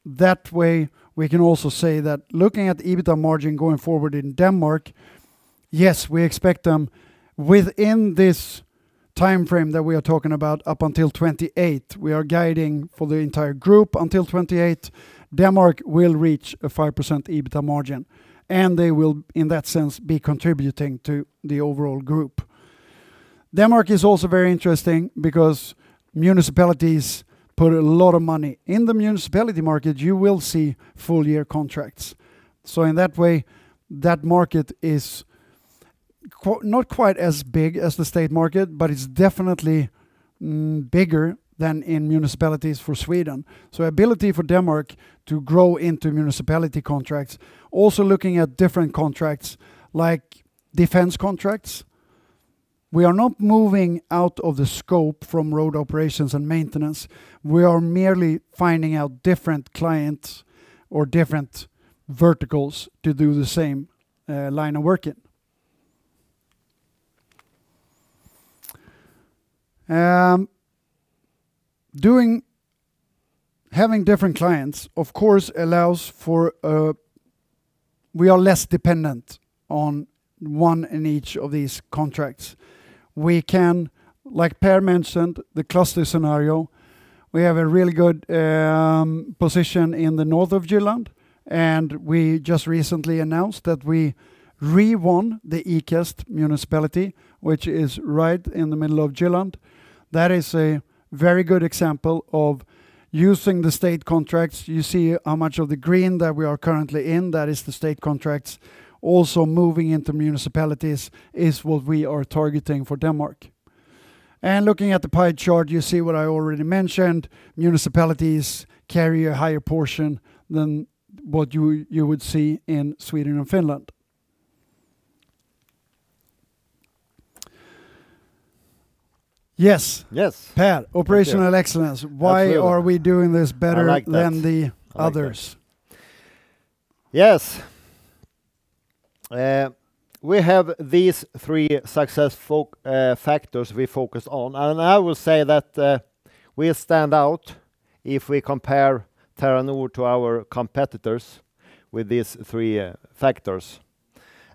B: That way we can also say that looking at EBITDA margin going forward in Denmark, yes, we expect them within this timeframe that we are talking about up until 2028. We are guiding for the entire group until 2028. Denmark will reach a 5% EBITDA margin, and they will, in that sense, be contributing to the overall group. Denmark is also very interesting because municipalities put a lot of money. In the municipality market, you will see full-year contracts. In that way, that market is not quite as big as the state market, but it's definitely bigger than in municipalities for Sweden. Ability for Denmark to grow into municipality contracts. Also looking at different contracts like defense contracts. We are not moving out of the scope from road operations and maintenance. We are merely finding out different clients or different verticals to do the same line of working. Having different clients, of course. We are less dependent on one in each of these contracts. We can, like Per mentioned, the cluster scenario. We have a really good position in the north of Jylland, and we just recently announced that we re-won the Ikast municipality, which is right in the middle of Jylland. That is a very good example of using the state contracts. You see how much of the green that we are currently in, that is the state contracts. Also moving into municipalities is what we are targeting for Denmark. Looking at the pie chart, you see what I already mentioned. Municipalities carry a higher portion than what you would see in Sweden and Finland. Yes.
D: Yes.
B: Per, operational excellence. Why are we doing this better than the others?
D: Yes. We have these three success factors we focus on. I would say that we stand out if we compare Terranor to our competitors with these three factors.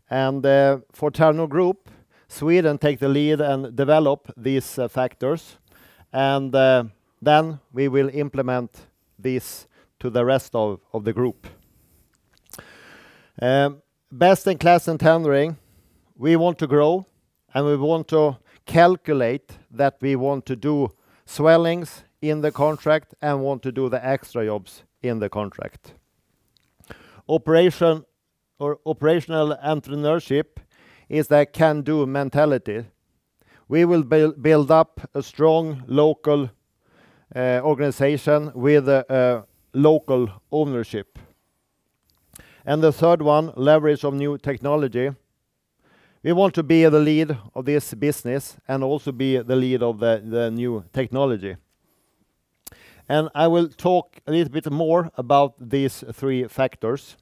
D: For Terranor Group, Sweden take the lead and develop these factors, and then we will implement this to the rest of the group. Best in class in tendering. We want to grow, and we want to calculate that we want to do swellings in the contract and want to do the extra jobs in the contract. Operational entrepreneurship is a can-do mentality. We will build up a strong local organization with local ownership. The third one, leverage on new technology. We want to be the lead of this business and also be the lead of the new technology. I will talk a little bit more about these three factors.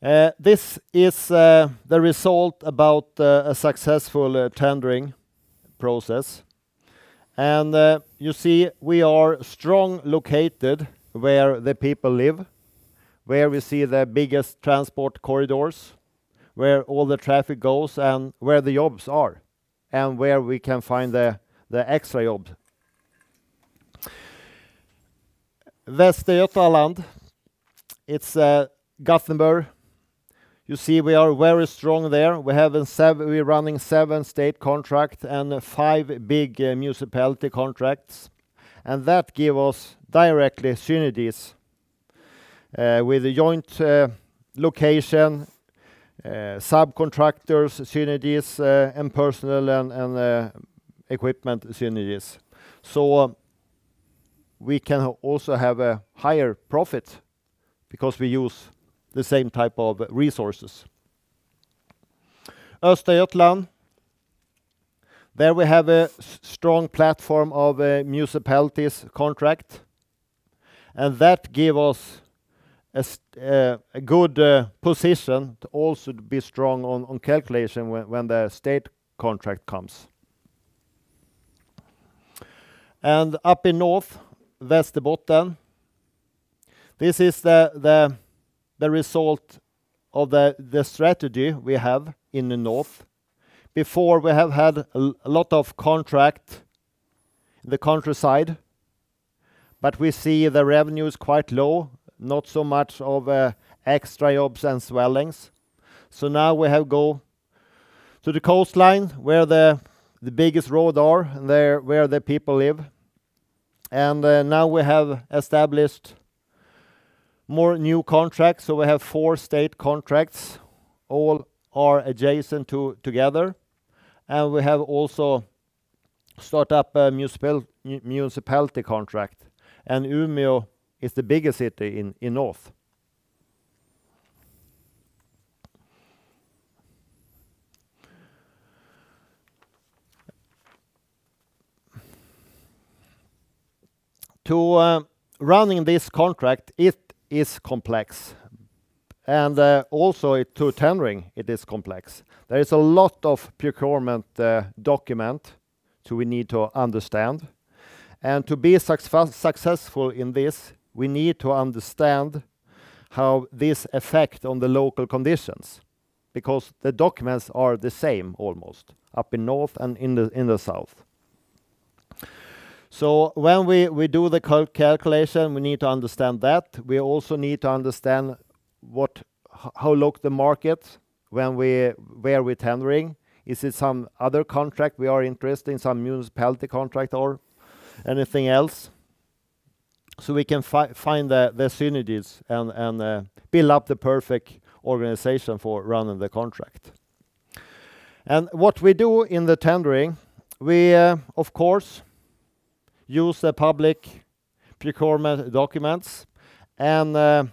D: This is the result about a successful tendering process. You see we are strongly located where the people live, where we see the biggest transport corridors, where all the traffic goes, and where the jobs are, and where we can find the extra job. Västergötland, it's a government. You see we are very strong there. We're running seven state contracts and five big municipality contracts. That gives us direct synergies with the joint location, subcontractors synergies, and personnel and equipment synergies. We can also have a higher profit because we use the same type of resources. Östergötland, there we have a strong platform of a municipality contract. That gives us a good position to also be strong on calculation when the state contract comes. Up in north, Västerbotten, this is the result of the strategy we have in the north. Before, we have had a lot of contract in the countryside, but we see the revenue is quite low, not so much of extra jobs and swellings. Now we have go to the coastline where the biggest road are, and where the people live. Now we have established more new contracts. We have four state contracts, all are adjacent together. We have also start up a municipality contract, and Umeå is the biggest city in north. To running this contract, it is complex. Also to tendering, it is complex. There is a lot of procurement document so we need to understand. To be successful in this, we need to understand how this affect on the local conditions, because the documents are the same almost, up in north and in the south. When we do the calculation, we need to understand that. We also need to understand how local markets, where we tendering. Is it some other contract we are interested in, some municipality contract or anything else, so we can find the synergies and build up the perfect organization for running the contract. What we do in the tendering, we of course use the public procurement documents and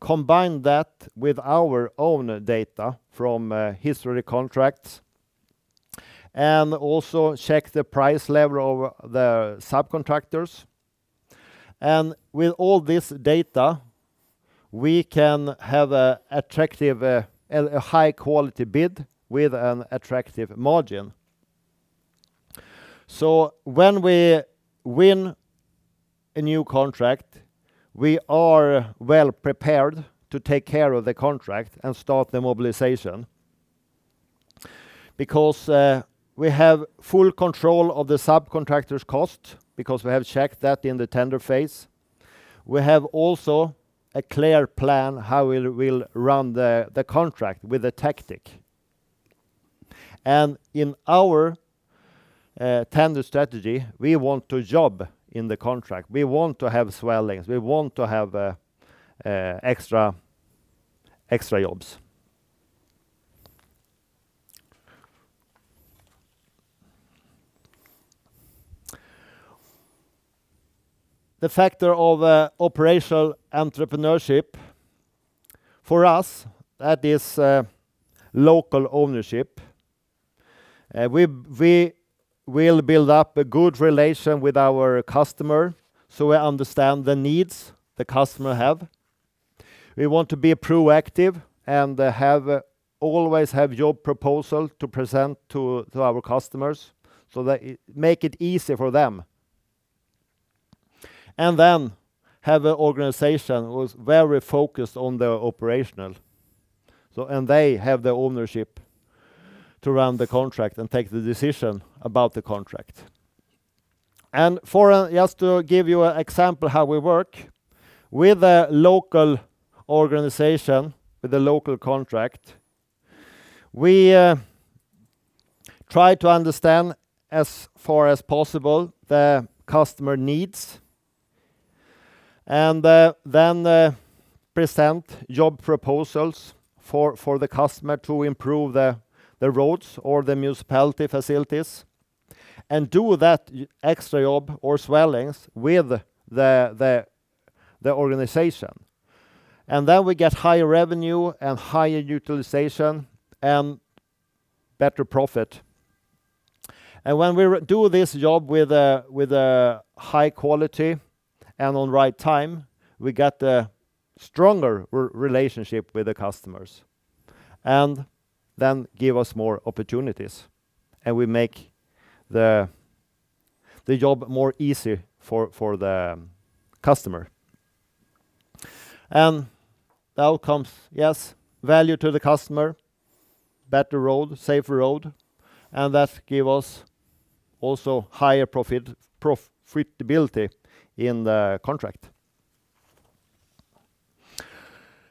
D: combine that with our own data from history contracts, and also check the price level of the subcontractors. With all this data, we can have a high-quality bid with an attractive margin. When we win a new contract, we are well-prepared to take care of the contract and start the mobilization, because we have full control of the subcontractor's cost, because we have checked that in the tender phase. We have also a clear plan how we will run the contract with a tactic. In our tender strategy, we want to job in the contract. We want to have swellings, we want to have extra jobs. The factor of operational entrepreneurship, for us, that is local ownership. We will build up a good relation with our customer, so we understand the needs the customer have. We want to be proactive and always have job proposal to present to our customers, so that make it easy for them. Then have an organization who is very focused on the operational. They have the ownership to run the contract and take the decision about the contract. Just to give you an example how we work, with a local organization, with a local contract, we try to understand as far as possible the customer needs, and then present job proposals for the customer to improve the roads or the municipality facilities. Do that extra job or swellings with the organization. We get high revenue and higher utilization and better profit. When we do this job with a high quality and on right time, we get a stronger relationship with the customers, then give us more opportunities, we make the job more easy for the customer. Outcomes, yes, value to the customer, better road, safer road, and that give us also higher profitability in the contract.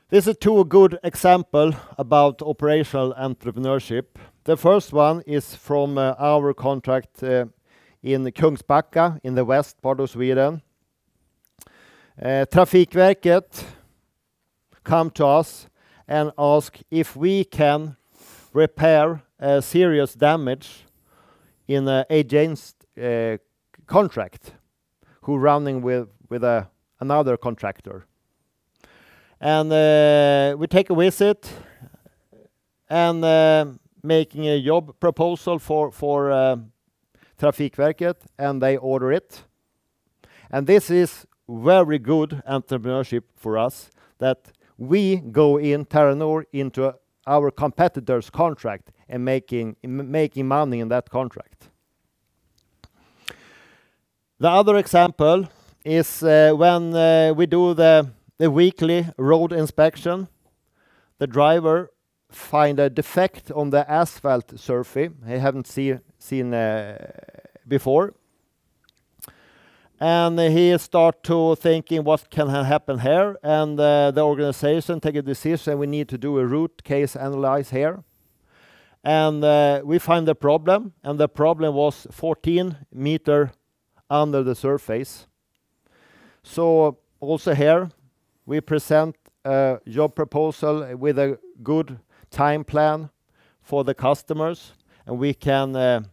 D: These are two good examples about operational entrepreneurship. The first one is from our contract in Kungsbacka in the west part of Sweden. Trafikverket come to us and ask if we can repair serious damage in an adjacent contract who are running with another contractor. We take a visit and making a job proposal for Trafikverket, they order it. This is very good entrepreneurship for us, that we go in, Terranor, into our competitor's contract and making money in that contract. The other example is when we do the weekly road inspection, the driver find a defect on the asphalt surface he hadn't seen before. He start to thinking, what can happen here? The organization take a decision, we need to do a root cause analysis here. We find the problem, and the problem was 14 m under the surface. Also here, we present a job proposal with a good time plan for the customers, and we can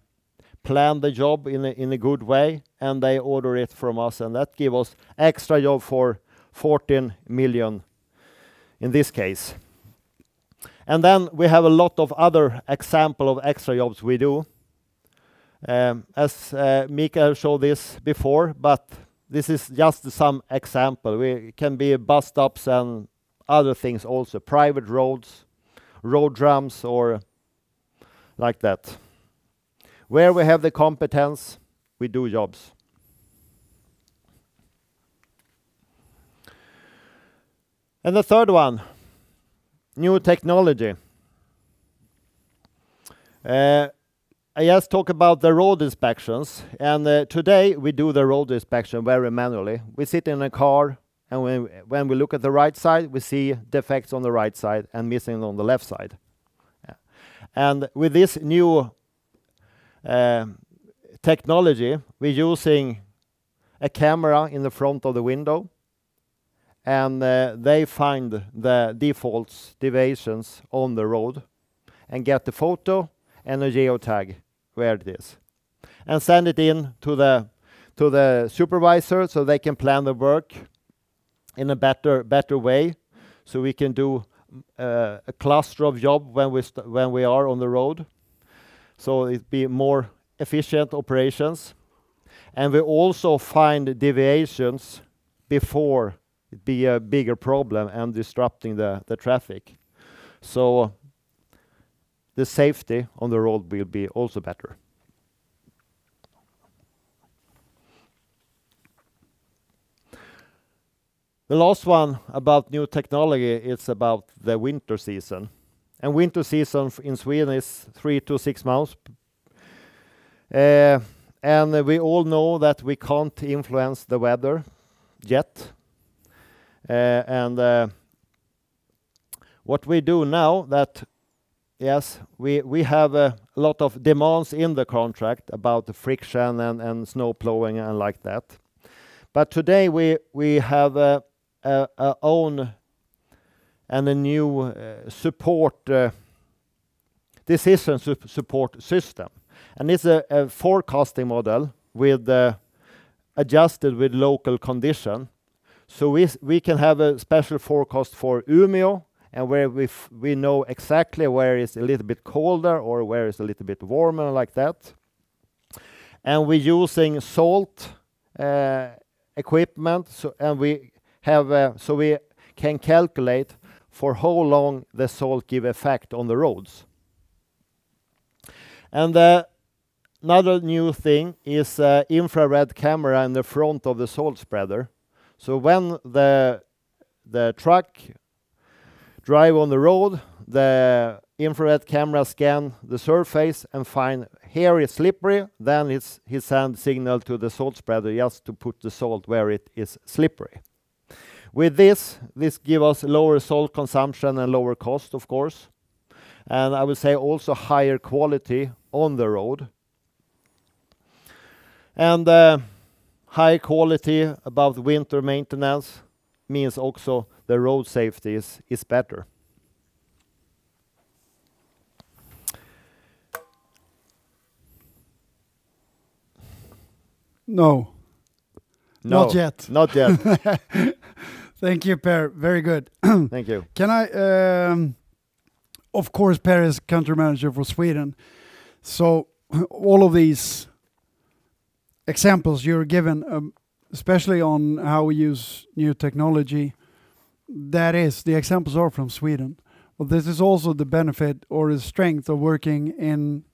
D: plan the job in a good way, and they order it from us, and that give us extra job for 14 million in this case. Then we have a lot of other examples of extra jobs we do. As Mikael showed this before, but this is just some example. It can be bus stops and other things also, private roads, road drains, or like that. Where we have the competence, we do jobs. The third one, new technology. I just talk about the road inspections. Today we do the road inspection very manually. We sit in a car, and when we look at the right side, we see defects on the right side and missing on the left side. With this new technology, we're using a camera in the front of the window, and they find the defaults, deviations on the road and get the photo and a geotag where it is and send it in to the supervisor so they can plan the work in a better way so we can do a cluster of job when we are on the road. It be more efficient operations. We also find deviations before it be a bigger problem and disrupting the traffic. The safety on the road will be also better. The last one about new technology is about the winter season. Winter season in Sweden is three to six months. We all know that we can't influence the weather yet. What we do now that, yes, we have a lot of demands in the contract about the friction and snowplowing and like that, but today we have our own and a new decision support system, and it's a forecasting model adjusted with local condition. We can have a special forecast for Umeå and where we know exactly where it's a little bit colder or where it's a little bit warmer like that. We're using salt equipment, so we can calculate for how long the salt gives effect on the roads. Another new thing is an infrared camera in the front of the salt spreader. When the truck drives on the road, the infrared camera scans the surface and finds, here it is slippery. Then it sends a signal to the salt spreader just to put the salt where it is slippery. With this gives us lower salt consumption and lower cost, of course, and I would say also higher quality on the road. High quality about winter maintenance means also the road safety is better.
B: No.
D: No.
B: Not yet.
D: Not yet.
B: Thank you, Per. Very good.
D: Thank you.
B: Of course, Per is country manager for Sweden, so all of these examples you're giving, especially on how we use new technology, that is, the examples are from Sweden. This is also the benefit or the strength of working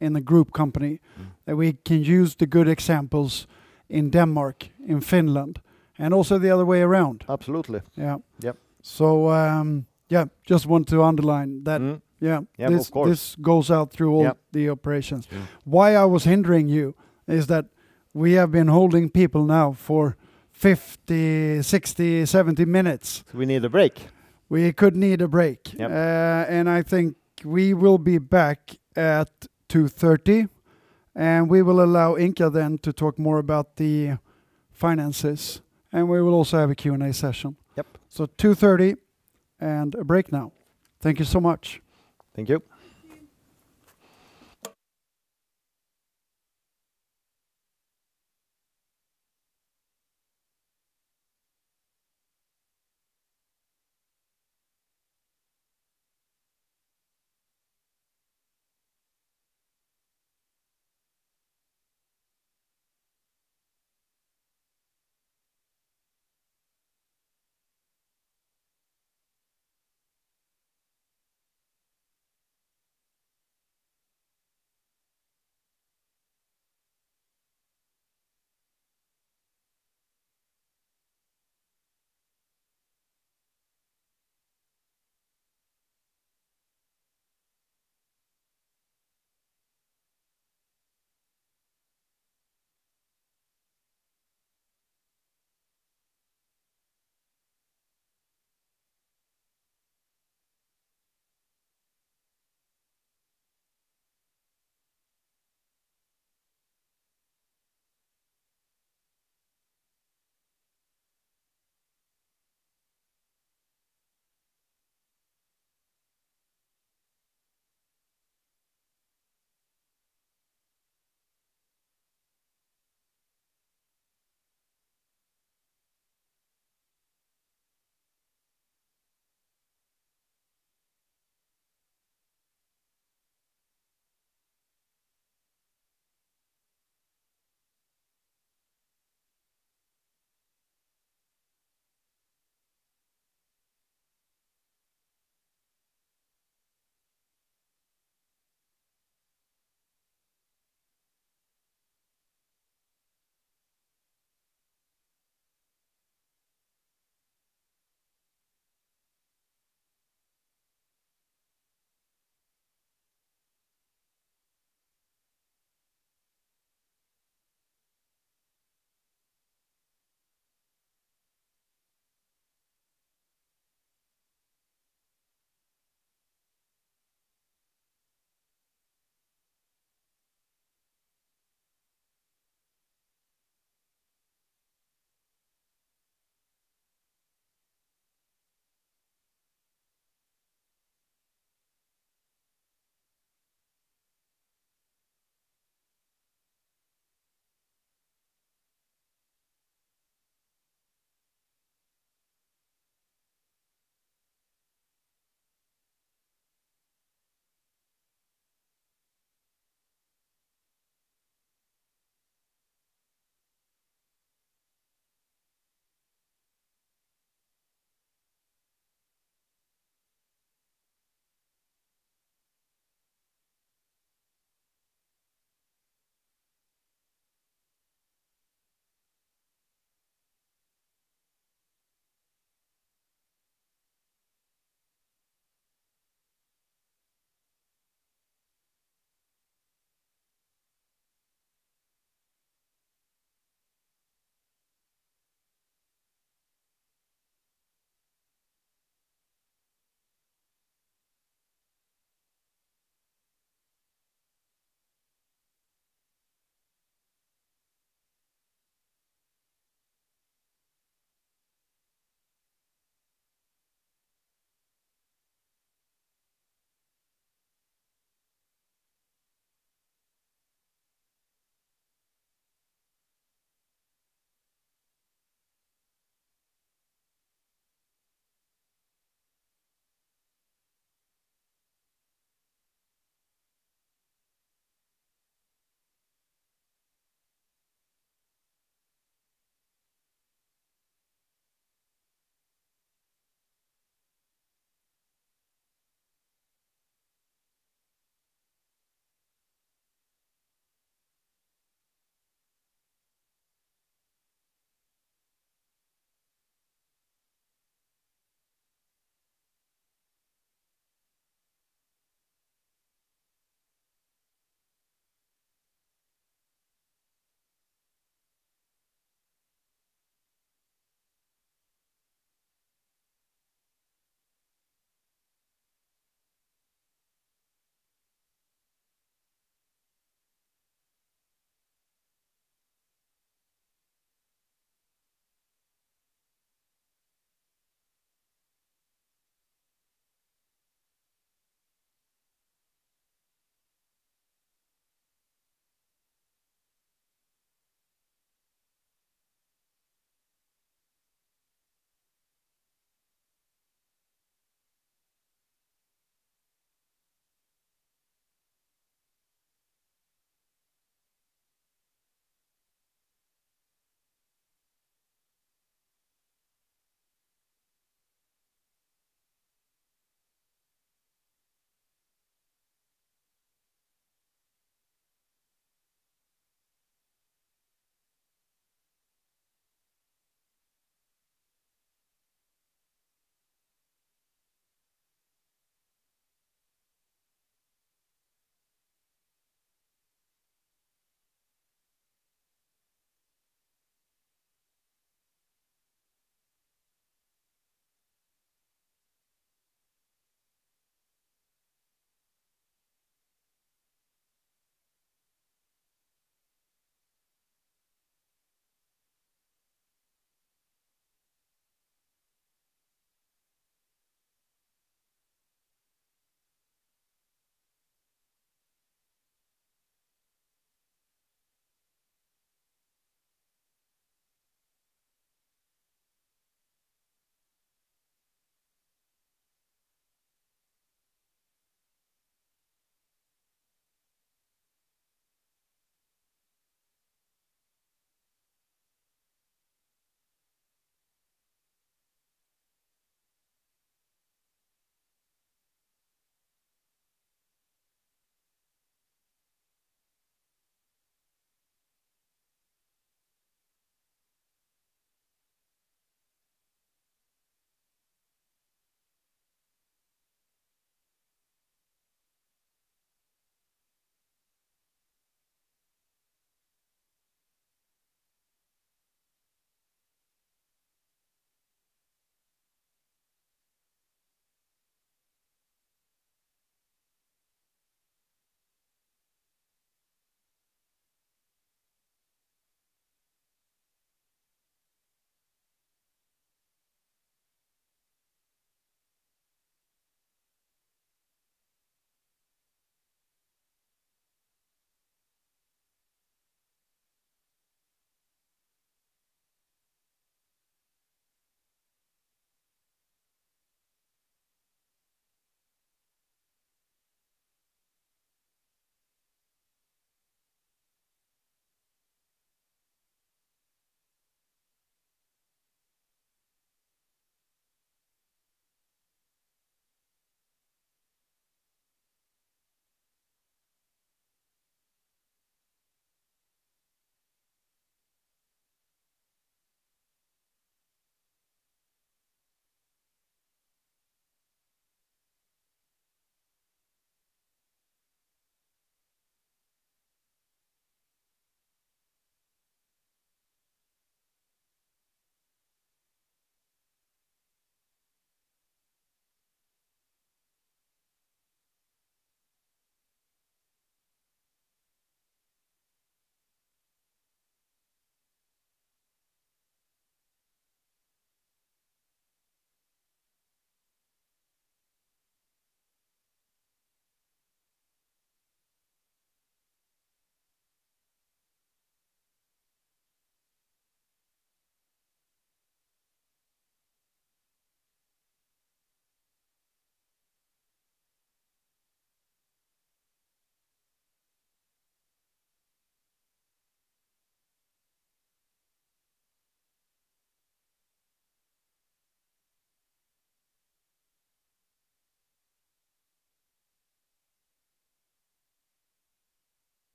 B: in a group company, that we can use the good examples in Denmark, in Finland, and also the other way around.
D: Absolutely.
B: Yeah.
D: Yep.
B: Yeah, just want to underline that.
D: Yeah, of course.
B: This goes out through all the operations. Why I was hindering you is that we have been holding people now for 50, 60, 70 minutes.
D: We need a break.
B: We could need a break.
D: Yep.
B: I think we will be back at 2:30 P.M., and we will allow Inka then to talk more about the finances, and we will also have a Q&A session.
D: Yep.
B: 2:30 P.M. and a break now. Thank you so much.
D: Thank you.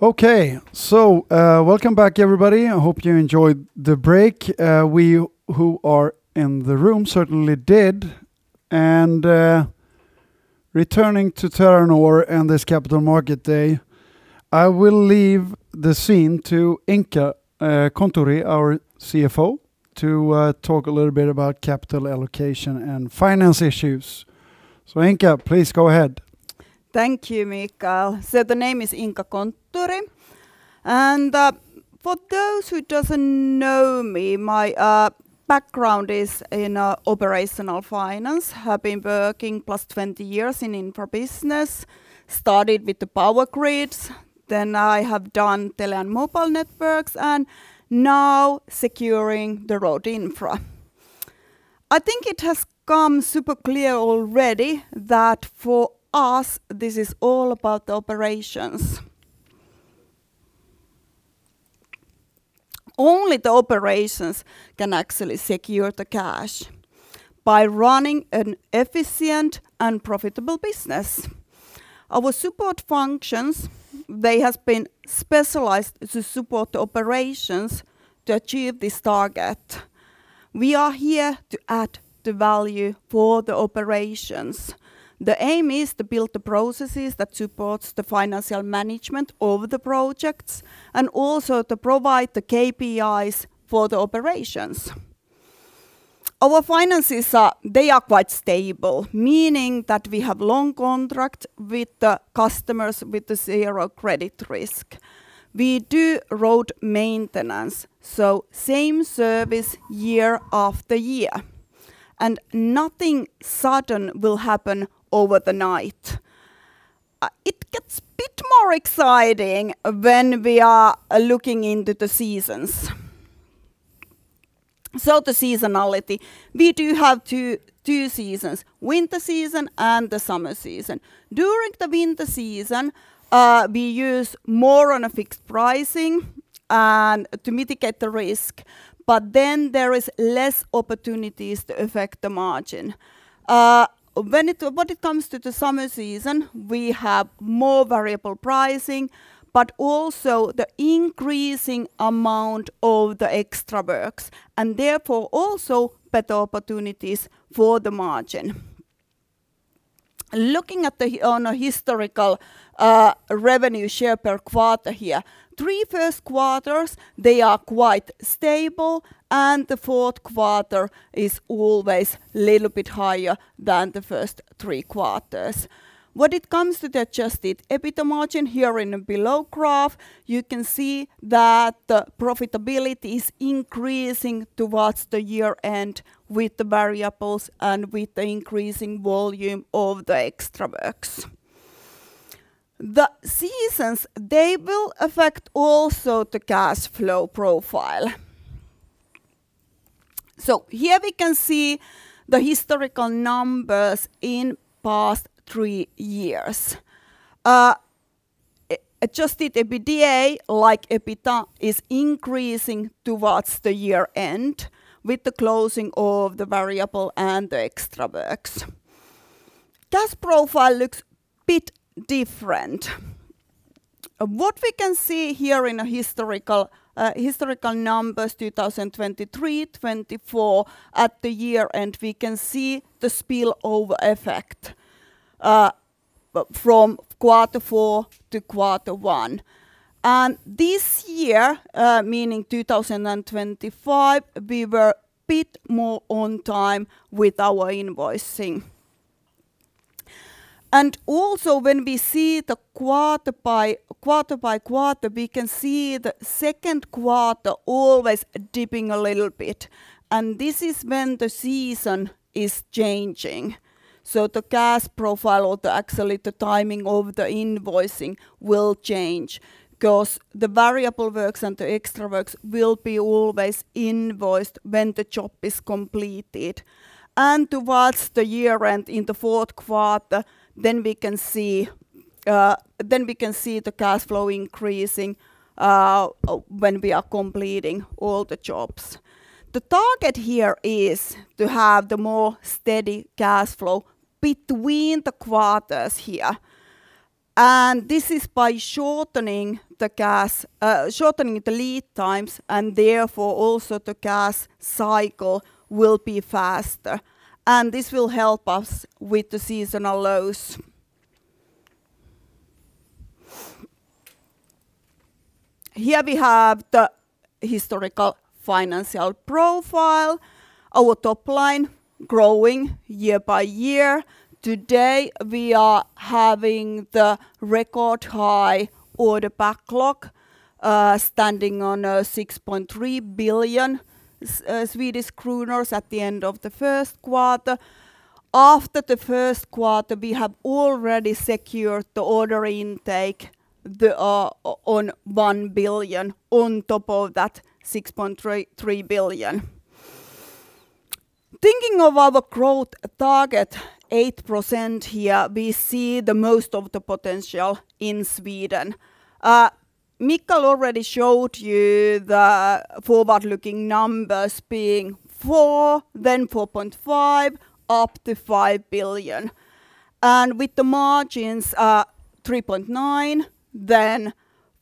E: Thank you.
B: Okay. Welcome back, everybody. I hope you enjoyed the break. We who are in the room certainly did. Returning to Terranor and this Capital Markets Day, I will leave the scene to Inka Kontturi, our CFO, to talk a little bit about capital allocation and finance issues. Inka, please go ahead.
E: Thank you, Mikael. The name is Inka Kontturi, and for those who doesn't know me, my background is in operational finance. Have been working 20+ years in infra business. Started with the power grids, then I have done tele and mobile networks, and now securing the road infra. I think it has become super clear already that for us, this is all about operations. Only the operations can actually secure the cash by running an efficient and profitable business. Our support functions, they have been specialized to support operations to achieve this target. We are here to add the value for the operations. The aim is to build the processes that supports the financial management of the projects, and also to provide the KPIs for the operations. Our finances are quite stable, meaning that we have long contracts with the customers with the zero credit risk. We do road maintenance, so same service year after year, and nothing sudden will happen over the night. It gets a bit more exciting when we are looking into the seasons. The seasonality, we do have two seasons: winter season and the summer season. During the winter season, we use more on a fixed pricing to mitigate the risk. There is less opportunities to affect the margin. When it comes to the summer season, we have more variable pricing, but also the increasing amount of the extra works, and therefore also better opportunities for the margin. Looking at the historical revenue share per quarter here. Three first quarters, they are quite stable, and the Q4 is always a little bit higher than the first three quarters. When it comes to the adjusted EBITA margin here in the below graph, you can see that profitability is increasing towards the year-end with the variables and with the increasing volume of the extra works. The seasons, they will affect also the cash flow profile. Here we can see the historical numbers in past three years. Adjusted EBITDA, like EBITA, is increasing towards the year-end with the closing of the variable and the extra works. Cash profile looks a bit different. What we can see here in the historical numbers 2023, 2024, at the year end, we can see the spillover effect from Q1 to Q1. This year, meaning 2025, we were a bit more on time with our invoicing. Also when we see the quarter-by-quarter, we can see the Q2 always tripping a little bit, and this is when the season is changing. The cash profile, or actually the timing of the invoicing, will change. The variable works and the extra works will be always invoiced when the job is completed. Towards the year end in the Q4, we can see the cash flow increasing when we are completing all the jobs. The target here is to have the more steady cash flow between the quarters here. This is by shortening the lead times and therefore also the cash cycle will be faster, and this will help us with the seasonal lows. Here we have the historical financial profile, our top line growing year by year. Today, we are having the record high order backlog, standing on 6.3 billion Swedish kronor at the end of the Q1. After the Q1, we have already secured the order intake on 1 billion on top of that 6.3 billion. Thinking of our growth target, 8% here, we see the most of the potential in Sweden. Mikael already showed you the forward-looking numbers being 4, then 4.5, up to 5 billion. With the margins, 3.9%, then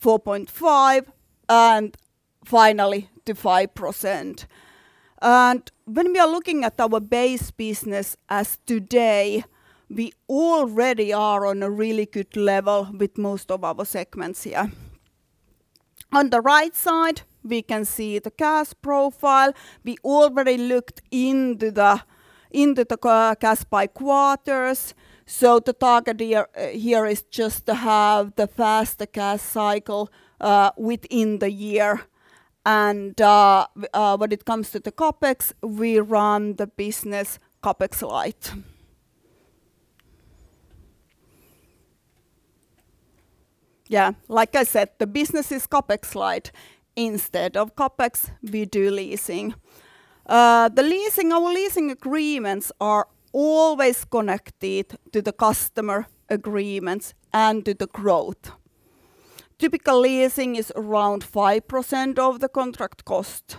E: 4.5%, and finally to 5%. When we are looking at our base business as today, we already are on a really good level with most of our segments here. On the right side, we can see the cash profile. We already looked into the cash by quarters. The target here is just to have the faster cash cycle within the year. When it comes to the CapEx, we run the business CapEx light. Yeah, like I said, the business is CapEx light. Instead of CapEx, we do leasing. Our leasing agreements are always connected to the customer agreements and to the growth. Typical leasing is around 5% of the contract cost.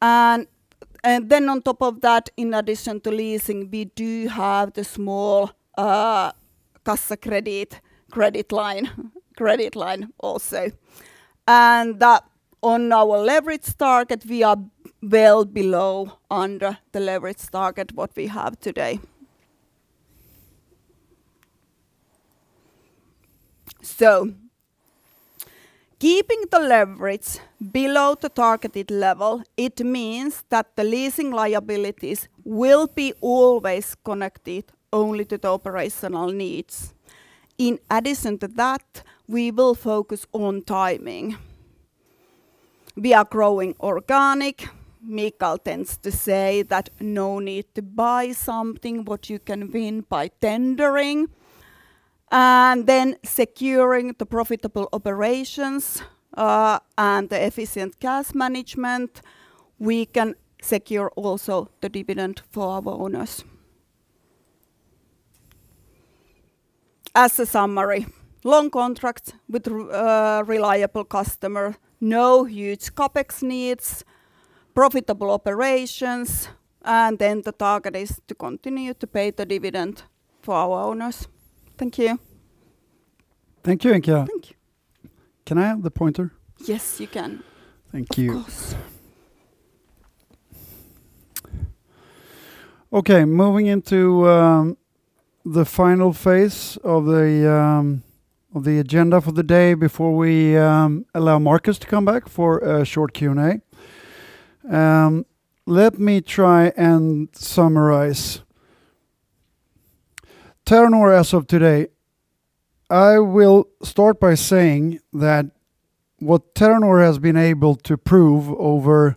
E: Then on top of that, in addition to leasing, we do have the small cash credit line also. On our leverage target, we are well below under the leverage target, what we have today. Keeping the leverage below the targeted level, it means that the leasing liabilities will be always connected only to the operational needs. In addition to that, we will focus on timing. We are growing organic. Mikael tends to say that no need to buy something what you can win by tendering then securing the profitable operations and the efficient cash management, we can secure also the dividend for our owners. As a summary, long contract with a reliable customer, no huge CapEx needs, profitable operations, the target is to continue to pay the dividend for our owners. Thank you.
B: Thank you, Inka.
E: Thank you.
B: Can I have the pointer?
E: Yes, you can.
B: Thank you.
E: Of course.
B: Moving into the final phase of the agenda for the day before we allow Markus to come back for a short Q&A. Let me try and summarize. Terranor as of today, I will start by saying that what Terranor has been able to prove over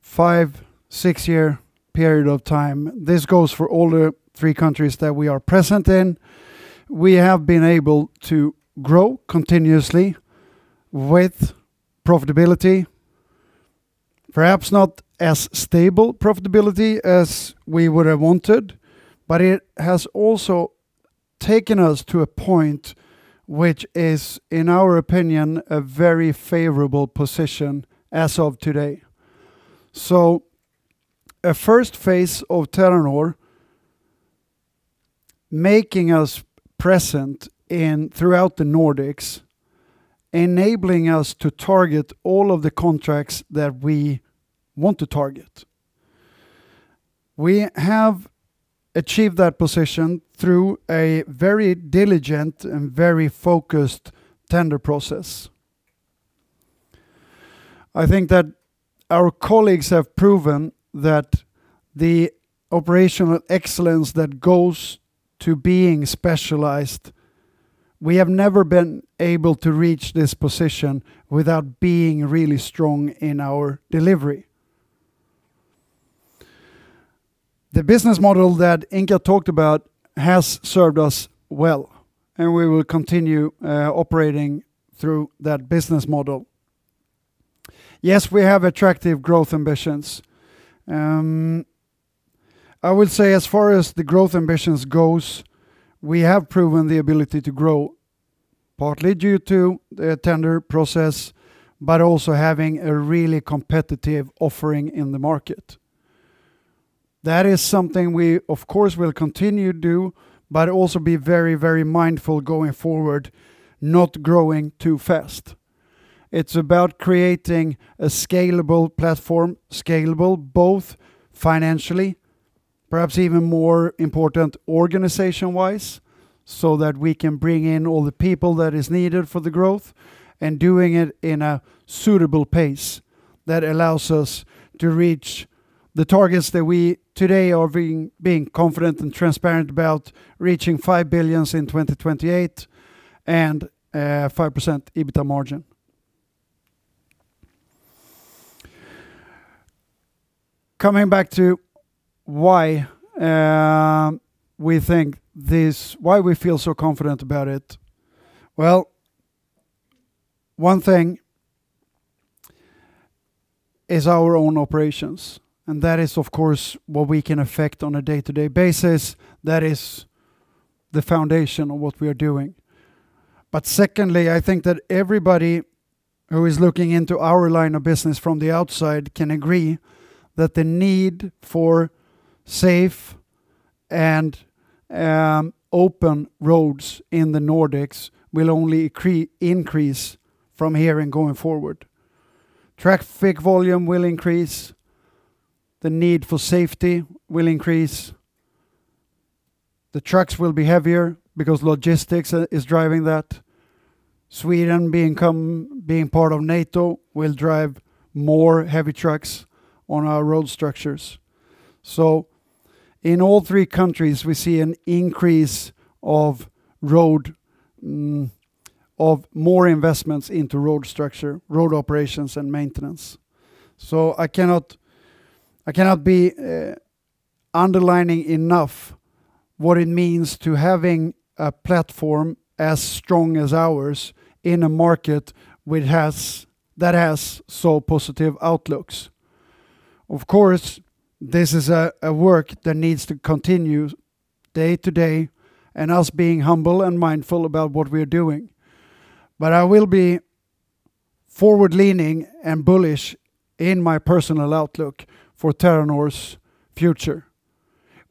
B: five, six-year period of time, this goes for all the three countries that we are present in. We have been able to grow continuously with profitability, perhaps not as stable profitability as we would have wanted, it has also taken us to a point which is, in our opinion, a very favorable position as of today. A first phase of Terranor, making us present throughout the Nordics, enabling us to target all of the contracts that we want to target. We have achieved that position through a very diligent and very focused tender process. I think that our colleagues have proven that the operational excellence that goes to being specialized, we have never been able to reach this position without being really strong in our delivery. The business model that Inka talked about has served us well, and we will continue operating through that business model. Yes, we have attractive growth ambitions. I would say as far as the growth ambitions goes, we have proven the ability to grow, partly due to the tender process, but also having a really competitive offering in the market. That is something we of course will continue to do, but also be very mindful going forward, not growing too fast. It's about creating a scalable platform, scalable both financially, perhaps even more important organization-wise, so that we can bring in all the people that is needed for the growth, and doing it in a suitable pace that allows us to reach the targets that we today are being confident and transparent about reaching 5 billion in 2028 and 5% EBITDA margin. Coming back to why we feel so confident about it. Well, one thing is our own operations, and that is of course what we can affect on a day-to-day basis. That is the foundation of what we are doing. Secondly, I think that everybody who is looking into our line of business from the outside can agree that the need for safe and open roads in the Nordics will only increase from here and going forward. Traffic volume will increase. The need for safety will increase. The trucks will be heavier because logistics is driving that. Sweden being part of NATO will drive more heavy trucks on our road structures. In all three countries, we see an increase of more investments into road structure, road operations and maintenance. I cannot be underlining enough what it means to having a platform as strong as ours in a market that has so positive outlooks. Of course, this is a work that needs to continue day-to-day and us being humble and mindful about what we are doing. I will be forward-leaning and bullish in my personal outlook for Terranor's future.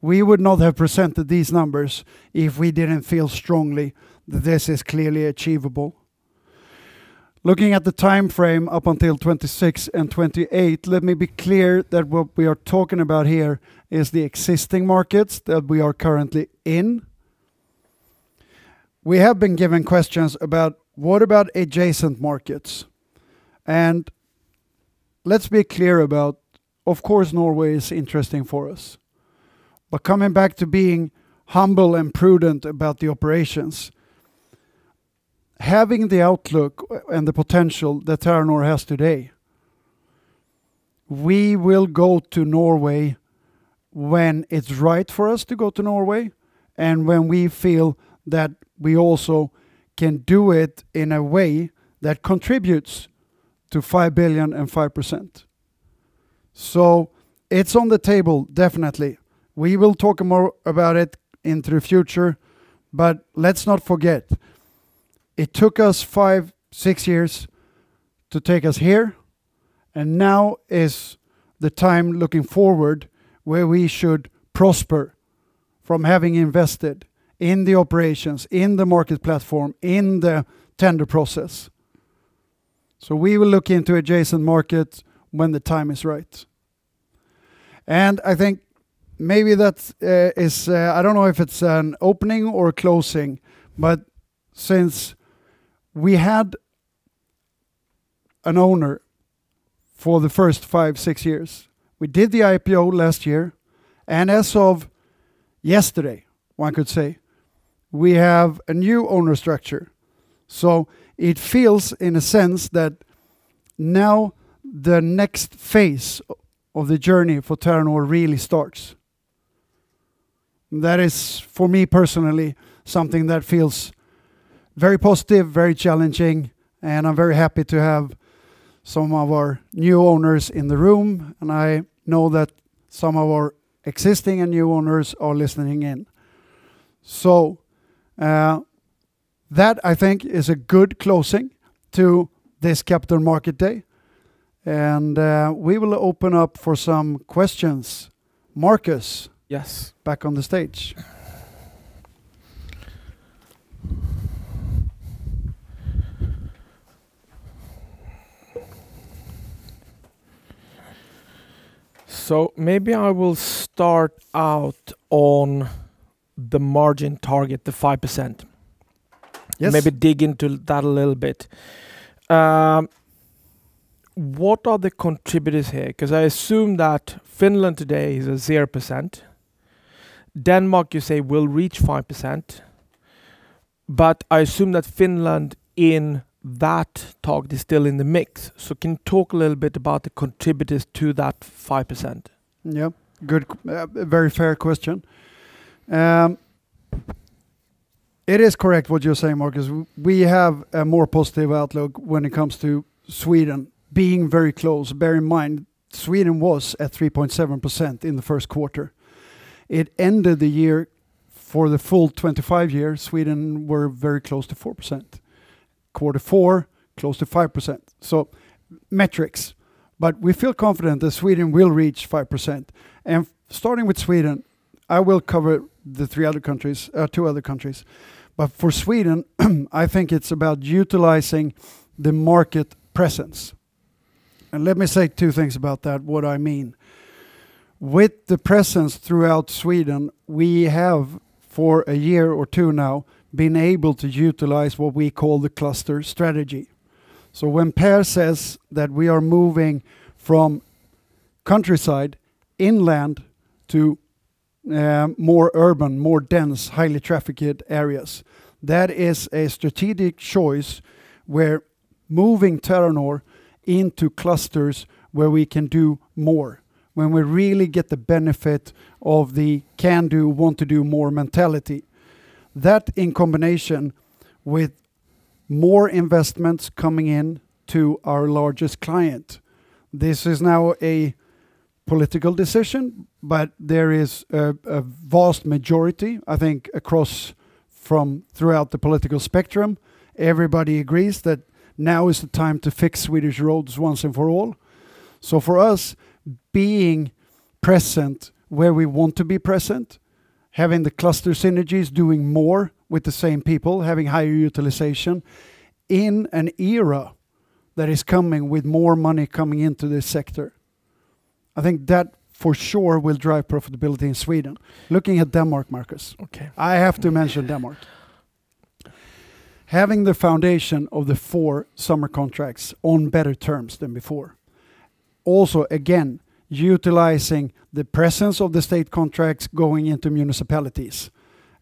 B: We would not have presented these numbers if we didn't feel strongly that this is clearly achievable. Looking at the timeframe up until 2026 and 2028, let me be clear that what we are talking about here is the existing markets that we are currently in. We have been given questions about what about adjacent markets? Let's be clear about, of course, Norway is interesting for us, but coming back to being humble and prudent about the operations, having the outlook and the potential that Terranor has today, we will go to Norway when it's right for us to go to Norway, and when we feel that we also can do it in a way that contributes to 5 billion and 5%. It's on the table definitely. We will talk more about it in the future, but let's not forget, it took us five, six years to take us here. Now is the time looking forward where we should prosper from having invested in the operations, in the market platform, in the tender process. We will look into adjacent markets when the time is right. I think maybe that is, I don't know if it's an opening or a closing, but since we had an owner for the first five, six years, we did the IPO last year. As of yesterday, one could say, we have a new owner structure. It feels in a sense that now the next phase of the journey for Terranor really starts. That is for me personally, something that feels very positive, very challenging, and I'm very happy to have some of our new owners in the room, and I know that some of our existing and new owners are listening in. That I think is a good closing to this Capital Markets Day. We will open up for some questions. Markus.
A: Yes.
B: Back on the stage.
A: Maybe I will start out on the margin target, the 5%.
B: Yes.
A: Maybe dig into that a little bit. What are the contributors here? I assume that Finland today is a 0%. Denmark, you say will reach 5%, but I assume that Finland in that target is still in the mix. Can you talk a little bit about the contributors to that 5%?
B: Yep. Good. A very fair question. It is correct what you're saying, Markus. We have a more positive outlook when it comes to Sweden being very close. Bear in mind, Sweden was at 3.7% in the Q1. It ended the year for the full 25 years, Sweden were very close to 4%. Q4, close to 5%. Metrics. We feel confident that Sweden will reach 5%. Starting with Sweden, I will cover the two other countries. For Sweden, I think it's about utilizing the market presence. Let me say two things about that, what I mean. With the presence throughout Sweden, we have for a year or two now been able to utilize what we call the cluster strategy. When Per says that we are moving from countryside inland to more urban, more dense, highly trafficked areas, that is a strategic choice. We're moving Terranor into clusters where we can do more, when we really get the benefit of the can do, want to do more mentality. That in combination with more investments coming in to our largest client. This is now a political decision, but there is a vast majority, I think, across from throughout the political spectrum. Everybody agrees that now is the time to fix Swedish roads once and for all. For us, being present where we want to be present, having the cluster synergies, doing more with the same people, having higher utilization in an era that is coming with more money coming into this sector. I think that for sure will drive profitability in Sweden. Looking at Denmark, Markus.
A: Okay.
B: I have to mention Denmark. Having the foundation of the four summer contracts on better terms than before. Also, again, utilizing the presence of the state contracts going into municipalities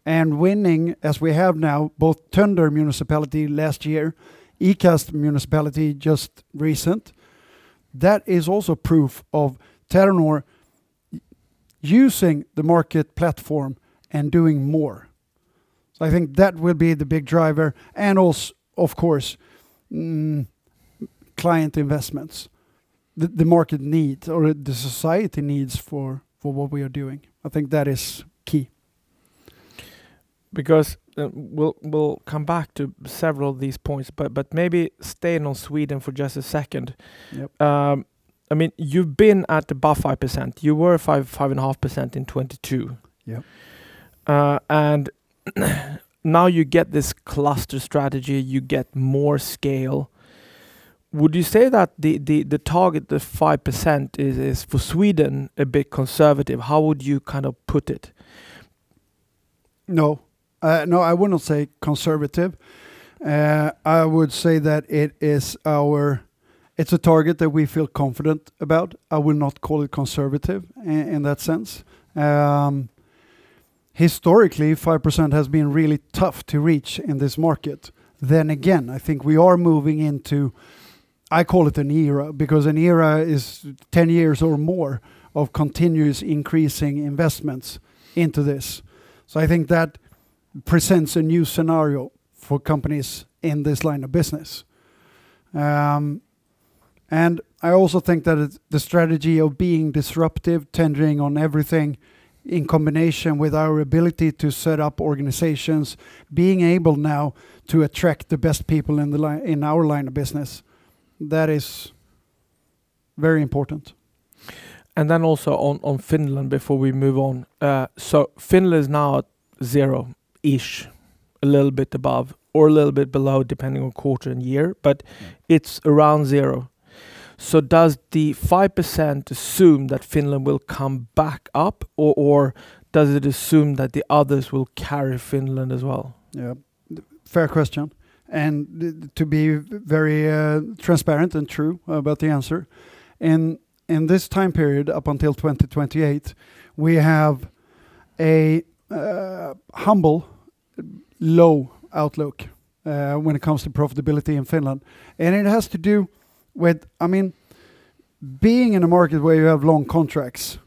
B: and winning as we have now, both Tønder Municipality last year, Ikast Municipality just recent. That is also proof of Terranor using the market platform and doing more. I think that will be the big driver and also of course, client investments. The market needs or the society needs for what we are doing. I think that is key.
A: We'll come back to several of these points, but maybe staying on Sweden for just a second.
B: Yep.
A: You've been at above 5%. You were 5.5% in 2022.
B: Yep.
A: Now you get this cluster strategy, you get more scale. Would you say that the target, the 5%, is for Sweden a bit conservative? How would you put it?
B: I wouldn't say conservative. I would say that it's a target that we feel confident about. I would not call it conservative in that sense. Historically, 5% has been really tough to reach in this market. I think we are moving into, I call it an era, because an era is 10 years or more of continuous increasing investments into this. I think that presents a new scenario for companies in this line of business. I also think that the strategy of being disruptive, tendering on everything, in combination with our ability to set up organizations, being able now to attract the best people in our line of business, that is very important.
A: Also on Finland, before we move on. Finland is now at zero-ish, a little bit above or a little bit below, depending on quarter and year, but it's around zero. Does the 5% assume that Finland will come back up, or does it assume that the others will carry Finland as well?
B: Yeah. To be very transparent and true about the answer, in this time period, up until 2028, we have a humble low outlook when it comes to profitability in Finland. It has to do with, being in a market where you have long contracts,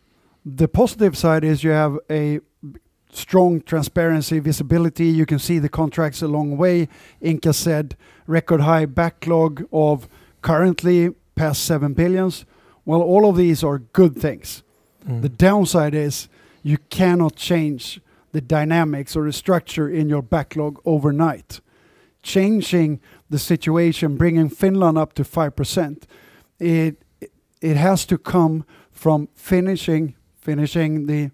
B: the positive side is you have a strong transparency visibility. You can see the contracts a long way. Inka said record high backlog of currently past 7 billion. Well, all of these are good things. The downside is you cannot change the dynamics or the structure in your backlog overnight. Changing the situation, bringing Finland up to 5%, it has to come from finishing the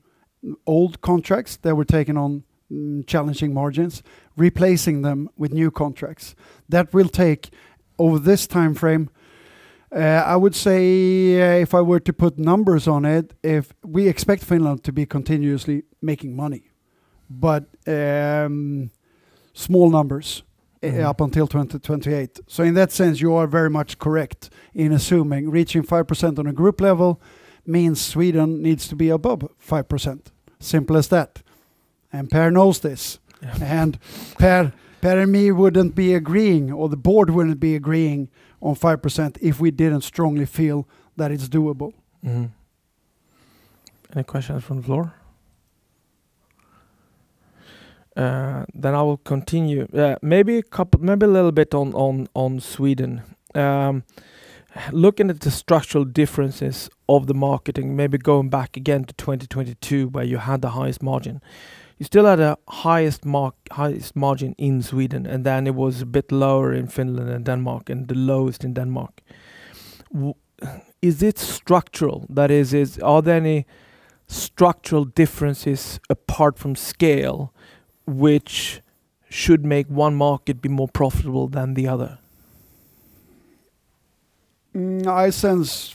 B: old contracts that were taken on challenging margins, replacing them with new contracts. That will take over this timeframe. I would say, if I were to put numbers on it, we expect Finland to be continuously making money, but small numbers. Up until 2028. In that sense, you are very much correct in assuming reaching 5% on a group level means Sweden needs to be above 5%. Simple as that. Per knows this.
A: Yes.
B: Per and me wouldn't be agreeing, or the board wouldn't be agreeing on 5% if we didn't strongly feel that it's doable.
A: Any questions from the floor? I will continue. Maybe a little bit on Sweden. Looking at the structural differences of the market, maybe going back again to 2022, where you had the highest margin. You still had the highest margin in Sweden, and then it was a bit lower in Finland and Denmark, and the lowest in Denmark. Is it structural? That is, are there any structural differences apart from scale which should make one market be more profitable than the other?
B: I sense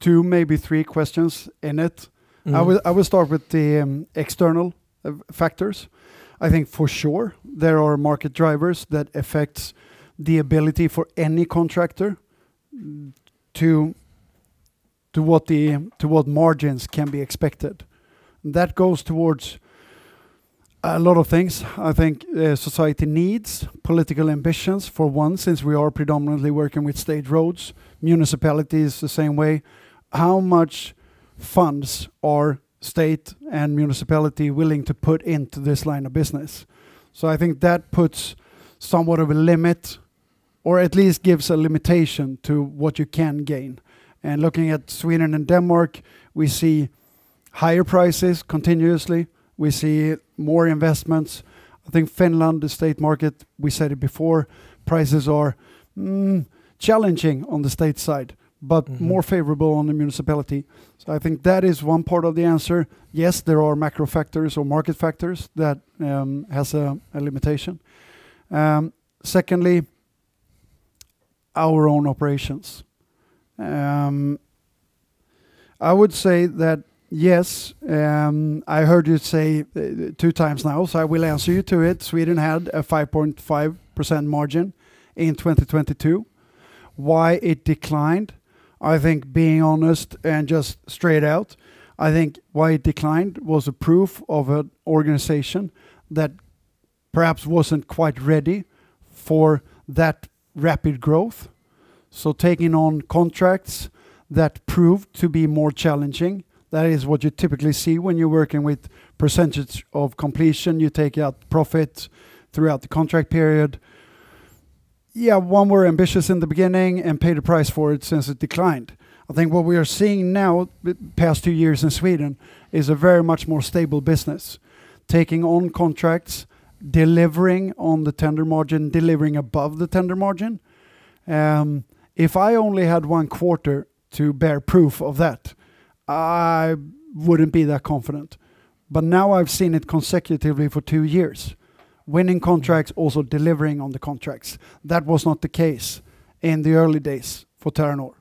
B: two, maybe three questions in it. I will start with the external factors. I think for sure there are market drivers that affects the ability for any contractor to what margins can be expected. That goes towards a lot of things. I think society needs political ambitions for one, since we are predominantly working with state roads, municipalities the same way. How much funds are state and municipality willing to put into this line of business? I think that puts somewhat of a limit, or at least gives a limitation to what you can gain. Looking at Sweden and Denmark, we see higher prices continuously. We see more investments. I think Finland, the state market, we said it before, prices are challenging on the state side but more favorable on the municipality. I think that is one part of the answer. There are macro factors or market factors that has a limitation. Secondly, our own operations. I would say that, yes, I heard you say 2x now, so I will answer you to it. Sweden had a 5.5% margin in 2022. Why it declined? I think, being honest and just straight out, I think why it declined was a proof of an organization that perhaps wasn't quite ready for that rapid growth. Taking on contracts that proved to be more challenging, that is what you typically see when you're working with percentage of completion, you take out profit throughout the contract period. One, we're ambitious in the beginning and paid the price for it since it declined. I think what we are seeing now, the past two years in Sweden, is a very much more stable business. Taking on contracts. Delivering on the tender margin, delivering above the tender margin. If I only had one quarter to bear proof of that, I wouldn't be that confident. Now I've seen it consecutively for two years. Winning contracts, also delivering on the contracts. That was not the case in the early days for Terranor.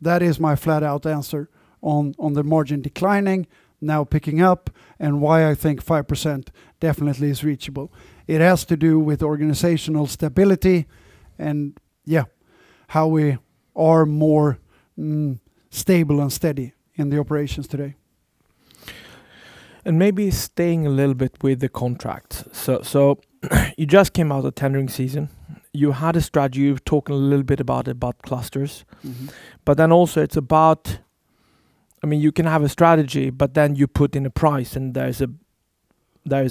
B: That is my flat-out answer on the margin declining, now picking up, and why I think 5% definitely is reachable. It has to do with organizational stability and how we are more stable and steady in the operations today.
A: Maybe staying a little bit with the contracts. You just came out of tendering season. You had a strategy. We've talked a little bit about clusters. You can have a strategy, but then you put in a price and there's a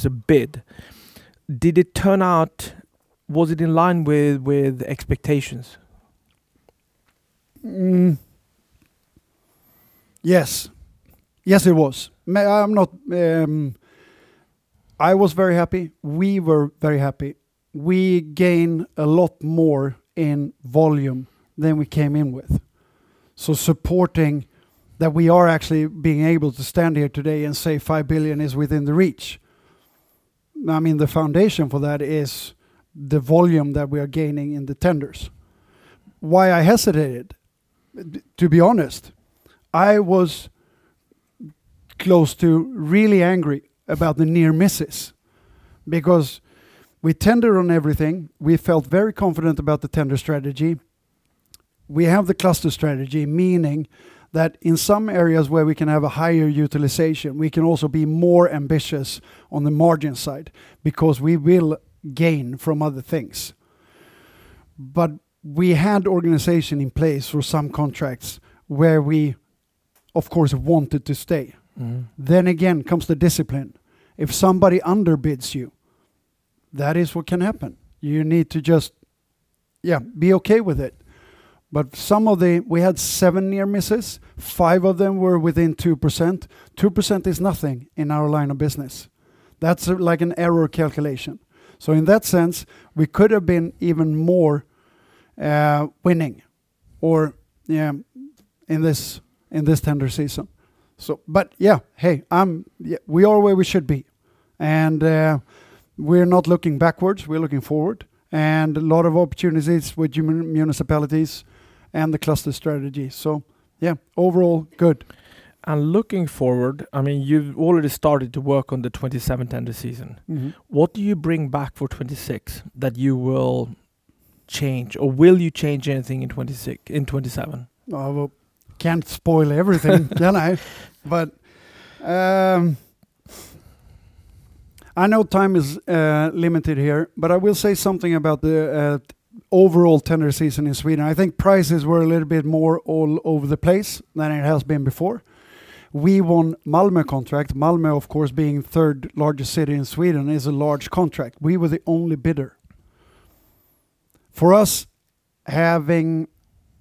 A: bid. Was it in line with expectations?
B: Yes. Yes, it was. I was very happy. We were very happy. We gained a lot more in volume than we came in with. Supporting that we are actually being able to stand here today and say 5 billion is within reach. The foundation for that is the volume that we are gaining in the tenders. Why I hesitated, to be honest, I was close to really angry about the near misses because we tender on everything. We felt very confident about the tender strategy. We have the cluster strategy, meaning that in some areas where we can have a higher utilization, we can also be more ambitious on the margin side because we will gain from other things. We had organization in place for some contracts where we, of course, wanted to stay. Again comes the discipline. If somebody underbids you, that is what can happen. You need to just be okay with it. We had seven near misses, five of them were within 2%. 2% is nothing in our line of business. That's like an error calculation. In that sense, we could have been even more winning in this tender season. We are where we should be, and we're not looking backwards, we're looking forward. A lot of opportunities with municipalities and the cluster strategy. Overall good.
A: Looking forward, you've already started to work on the 2027 tender season. What do you bring back for 2026 that you will change, or will you change anything in 2027?
B: I can't spoil everything. I know time is limited here, but I will say something about the overall tender season in Sweden. I think prices were a little bit more all over the place than it has been before. We won Malmö contract. Malmö, of course, being third largest city in Sweden, is a large contract. We were the only bidder. For us, having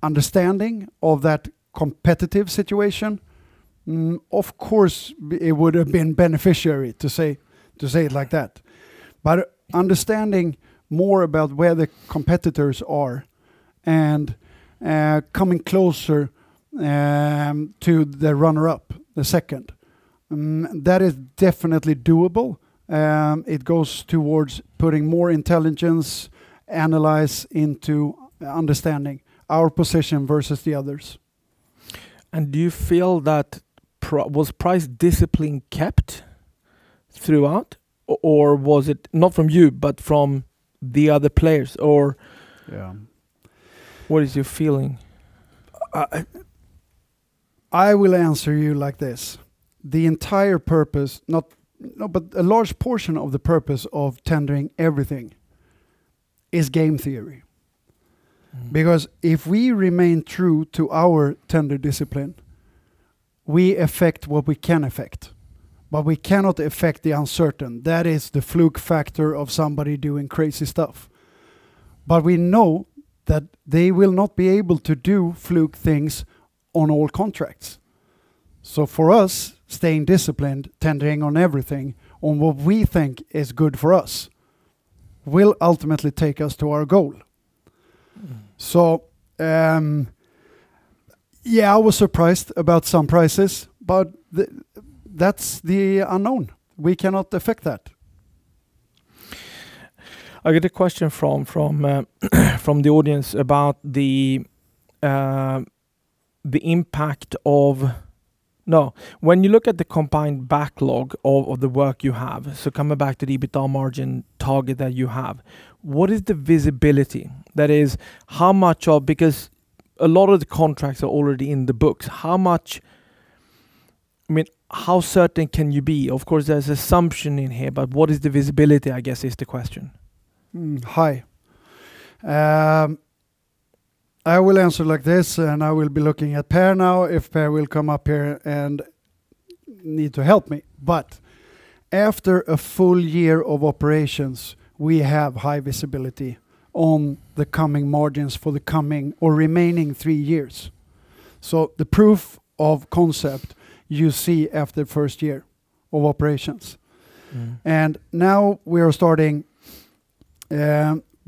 B: understanding of that competitive situation, of course, it would have been beneficial to say it like that. Understanding more about where the competitors are and coming closer to the runner-up, the second. That is definitely doable. It goes towards putting more intelligence, analysis into understanding our position versus the others.
A: Do you feel that was price discipline kept throughout, not from you, but from the other players?
B: Yeah.
A: What is your feeling?
B: I will answer you like this. A large portion of the purpose of tendering everything is game theory. If we remain true to our tender discipline, we affect what we can affect, but we cannot affect the uncertain. That is the fluke factor of somebody doing crazy stuff. We know that they will not be able to do fluke things on all contracts. For us, staying disciplined, tendering on everything, on what we think is good for us will ultimately take us to our goal. I was surprised about some prices, but that's the unknown. We cannot affect that.
A: I get a question from the audience about When you look at the combined backlog of the work you have, so coming back to the EBITDA margin target that you have, what is the visibility? That is, because a lot of the contracts are already in the books, how certain can you be? Of course, there's assumption in here, but what is the visibility, I guess is the question.
B: High. I will answer like this, and I will be looking at Per now if Per will come up here and need to help me. After a full year of operations, we have high visibility on the coming margins for the coming or remaining three years. The proof of concept you see after first year of operations. Now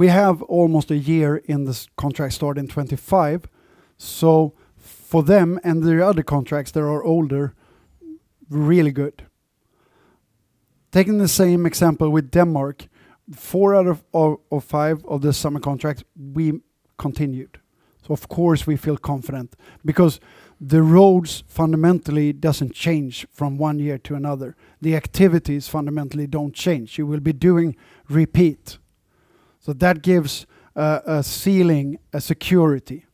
B: we have almost a year in this contract starting 2025. For them and the other contracts that are older, really good. Taking the same example with Denmark, four out of five of the summer contracts we continued. Of course, we feel confident because the roads fundamentally doesn't change from one year to another. The activities fundamentally don't change. You will be doing repeat. That gives a ceiling, a security.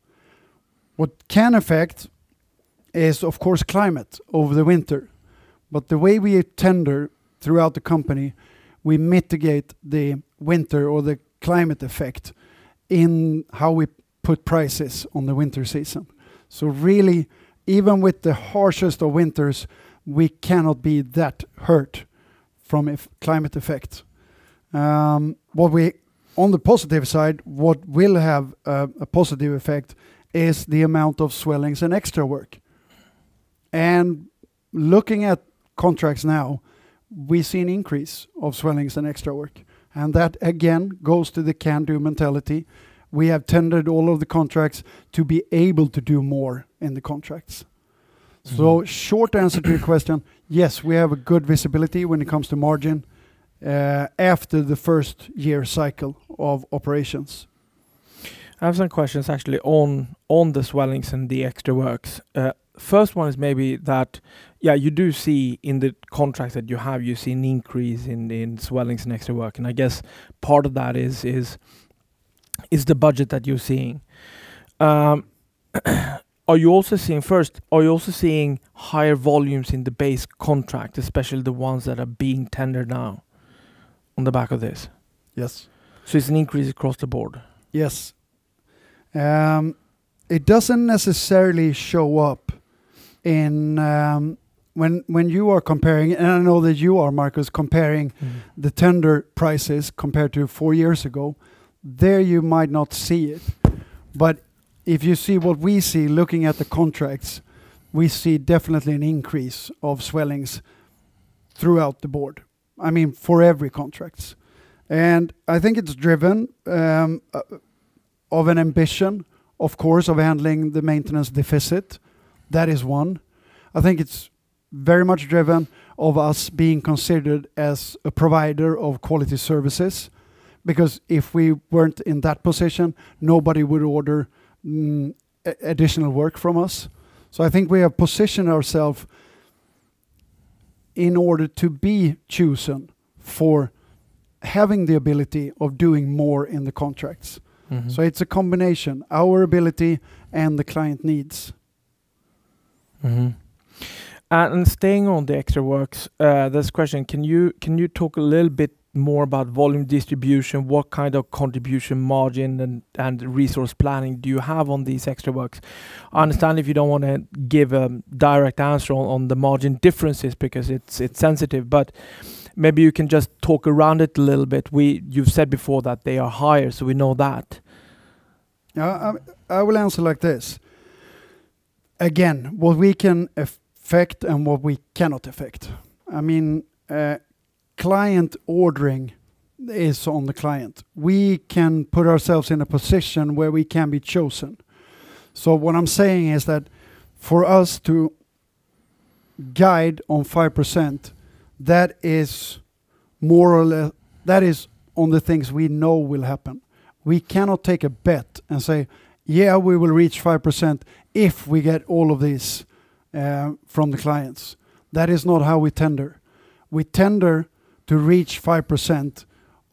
B: What can affect is, of course, climate over the winter, but the way we tender throughout the company, we mitigate the winter or the climate effect in how we put prices on the winter season. Really, even with the harshest of winters, we cannot be that hurt from a climate effect. On the positive side, what will have a positive effect is the amount of swellings and extra work. Looking at contracts now, we see an increase of swellings and extra work. That again goes to the can-do mentality. We have tendered all of the contracts to be able to do more in the contracts. Short answer to your question, yes, we have a good visibility when it comes to margin after the first-year cycle of operations.
A: I have some questions actually on the swellings and the extra works. First one is maybe that you do see in the contracts that you have, you see an increase in the swellings and extra work, and I guess part of that is the budget that you're seeing. First, are you also seeing higher volumes in the base contract, especially the ones that are being tendered now on the back of this?
B: Yes.
A: It's an increase across the board?
B: Yes. It doesn't necessarily show up when you are comparing, and I know that you are, Markus, comparing the tender prices compared to four years ago, there you might not see it, but if you see what we see looking at the contracts, we see definitely an increase of swellings throughout the board. I mean, for every contract. I think it's driven of an ambition, of course, of handling the maintenance deficit. That is one. I think it's very much driven of us being considered as a provider of quality services because if we weren't in that position, nobody would order additional work from us. I think we have positioned ourself in order to be chosen for having the ability of doing more in the contracts. It's a combination, our ability and the client needs.
A: Staying on the extra works, this question, can you talk a little bit more about volume distribution? What kind of contribution margin and resource planning do you have on these extra works? I understand if you don't want to give a direct answer on the margin differences because it's sensitive, but maybe you can just talk around it a little bit. You've said before that they are higher, so we know that.
B: I will answer like this. Again, what we can affect and what we cannot affect. Client ordering is on the client. We can put ourselves in a position where we can be chosen. What I'm saying is that for us to guide on 5%, that is on the things we know will happen. We cannot take a bet and say, Yeah, we will reach 5% if we get all of this from the clients. That is not how we tender. We tender to reach 5%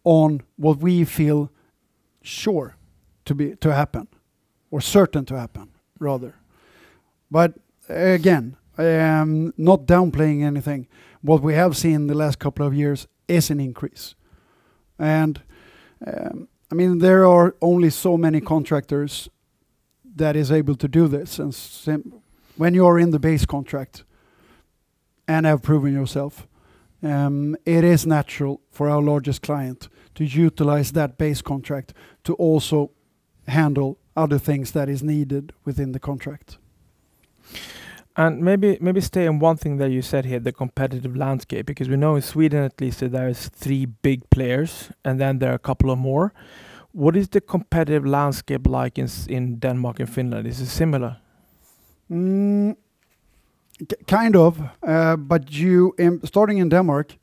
B: on what we feel sure to happen or certain to happen rather. Again, not downplaying anything. What we have seen the last couple of years is an increase, and there are only so many contractors that is able to do this. When you are in the base contract and have proven yourself, it is natural for our largest client to utilize that base contract to also handle other things that is needed within the contract.
A: Maybe stay on one thing that you said here, the competitive landscape, because we know in Sweden at least, that there is three big players, and then there are a couple of more. What is the competitive landscape like in Denmark and Finland? Is it similar?
B: Kind of, starting in Denmark,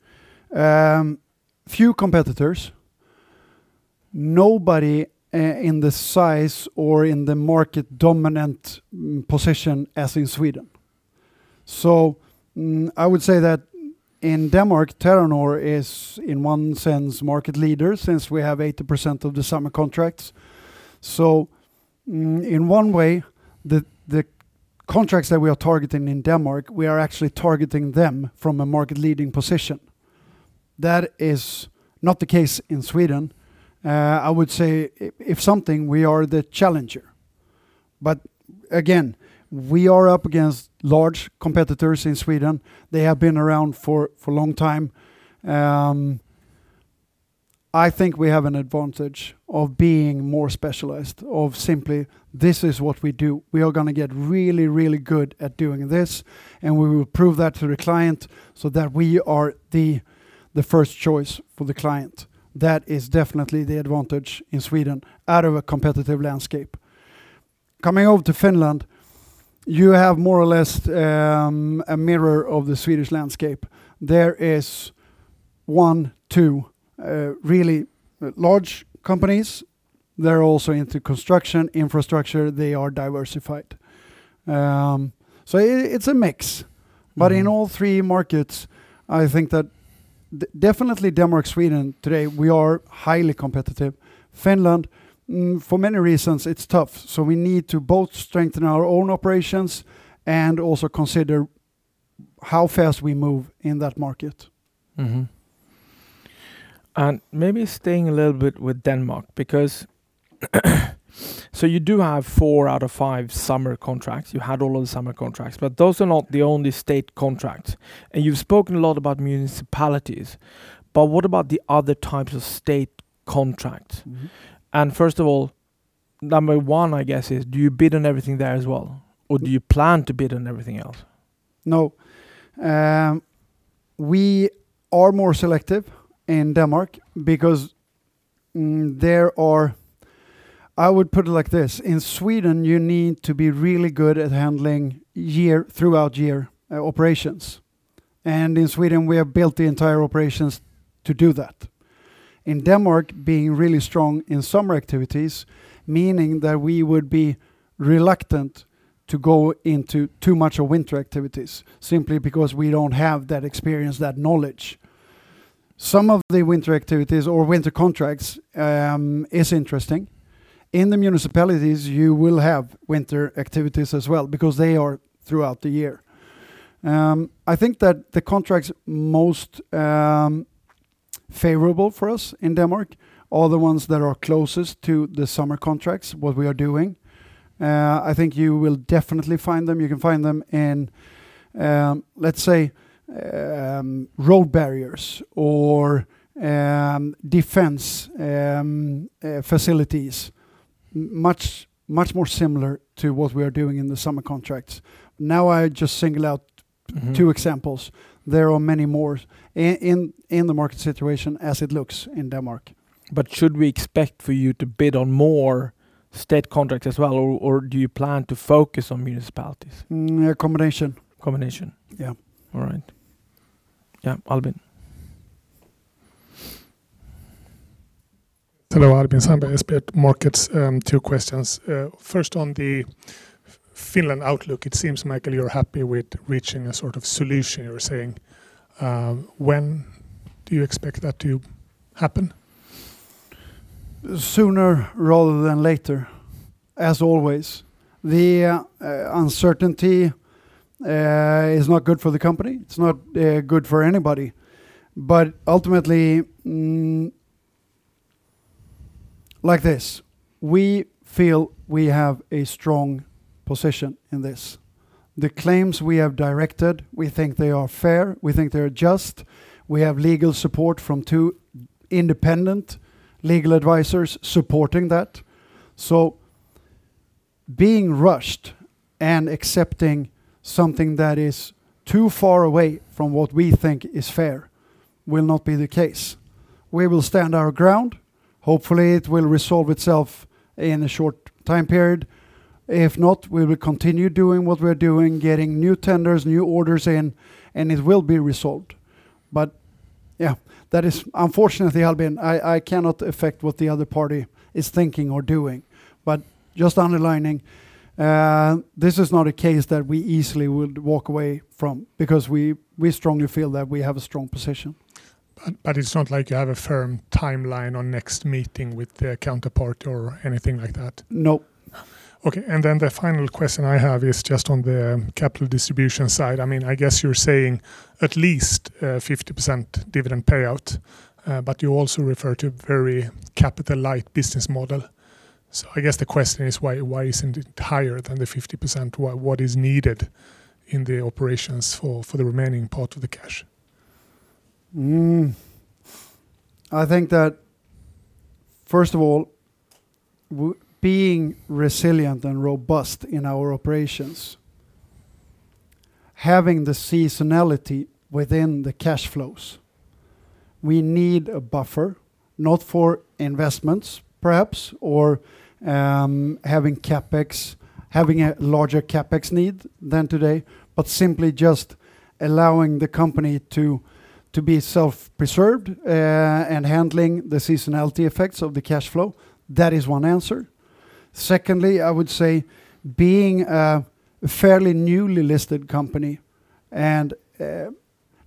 B: few competitors, nobody in the size or in the market dominant position as in Sweden. I would say that in Denmark, Terranor is in one sense market leader since we have 80% of the summer contracts. In one way, the contracts that we are targeting in Denmark, we are actually targeting them from a market-leading position. That is not the case in Sweden. I would say if something, we are the challenger. Again, we are up against large competitors in Sweden. They have been around for a long time. I think we have an advantage of being more specialized, of simply, this is what we do. We are going to get really, really good at doing this, and we will prove that to the client so that we are the first choice for the client. That is definitely the advantage in Sweden out of a competitive landscape. You have more or less a mirror of the Swedish landscape. There is one, two really large companies. They're also into construction, infrastructure, they are diversified. It's a mix. In all three markets, I think that definitely Denmark, Sweden, today, we are highly competitive. Finland, for many reasons, it's tough. We need to both strengthen our own operations and also consider how fast we move in that market.
A: Mm-hmm. Maybe staying a little bit with Denmark, because so you do have four out of five summer contracts. You had all of the summer contracts, but those are not the only state contracts. You've spoken a lot about municipalities, but what about the other types of state contracts? First of all, number one, I guess, is do you bid on everything there as well? Or do you plan to bid on everything else?
B: No. We are more selective in Denmark because I would put it like this. In Sweden, you need to be really good at handling year throughout year operations. In Sweden, we have built the entire operations to do that. In Denmark, being really strong in summer activities, meaning that we would be reluctant to go into too much of winter activities simply because we don't have that experience, that knowledge. Some of the winter activities or winter contracts is interesting. In the municipalities, you will have winter activities as well because they are throughout the year. I think that the contracts most favorable for us in Denmark are the ones that are closest to the summer contracts, what we are doing. I think you will definitely find them. You can find them in, let's say, road barriers or defense facilities, much more similar to what we are doing in the summer contracts. I just single out two examples. There are many more in the market situation as it looks in Denmark.
A: Should we expect for you to bid on more state contracts as well, or do you plan to focus on municipalities?
B: A combination.
A: Combination. Yeah. All right. Yeah, Albin.
F: Hello, Albin Sandell, SVT Markets. Two questions. First on the Finland outlook, it seems, Mikael, you're happy with reaching a sort of solution, you were saying. When do you expect that to happen?
B: Sooner rather than later, as always. The uncertainty is not good for the company. It is not good for anybody. Ultimately, like this, we feel we have a strong position in this. The claims we have directed, we think they are fair, we think they are just. We have legal support from two independent legal advisors supporting that. Being rushed and accepting something that is too far away from what we think is fair will not be the case. We will stand our ground. Hopefully, it will resolve itself in a short time period. If not, we will continue doing what we are doing, getting new tenders, new orders in, and it will be resolved. Yeah, that is unfortunately, Albin, I cannot affect what the other party is thinking or doing. Just underlining, this is not a case that we easily would walk away from because we strongly feel that we have a strong position.
F: It's not like you have a firm timeline on next meeting with the counterpart or anything like that?
B: No.
F: Okay, the final question I have is just on the capital distribution side. I guess you're saying at least a 50% dividend payout, but you also refer to very capital light business model. I guess the question is why isn't it higher than the 50%? What is needed in the operations for the remaining part of the cash?
B: I think that, first of all, being resilient and robust in our operations, having the seasonality within the cash flows, we need a buffer, not for investments, perhaps, or having a larger CapEx need than today, but simply just allowing the company to be self-preserved and handling the seasonality effects of the cash flow. That is one answer. Secondly, I would say being a fairly newly listed company and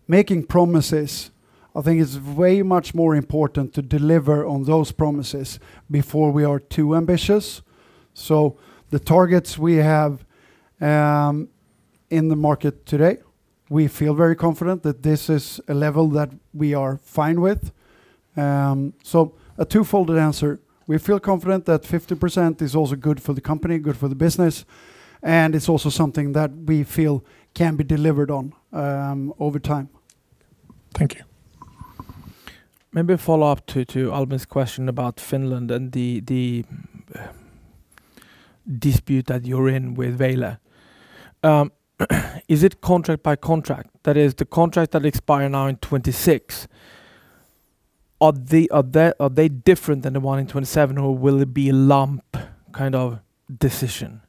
B: making promises, I think it's way much more important to deliver on those promises before we are too ambitious. The targets we have in the market today, we feel very confident that this is a level that we are fine with. A twofold answer. We feel confident that 50% is also good for the company, good for the business, and it's also something that we feel can be delivered on over time.
F: Thank you.
A: Maybe a follow-up to Albin's question about Finland and the dispute that you're in with Väylävirasto. Is it contract by contract? That is, the contract that expire now in 2026, are they different than the one in 2027, or will it be lump decision?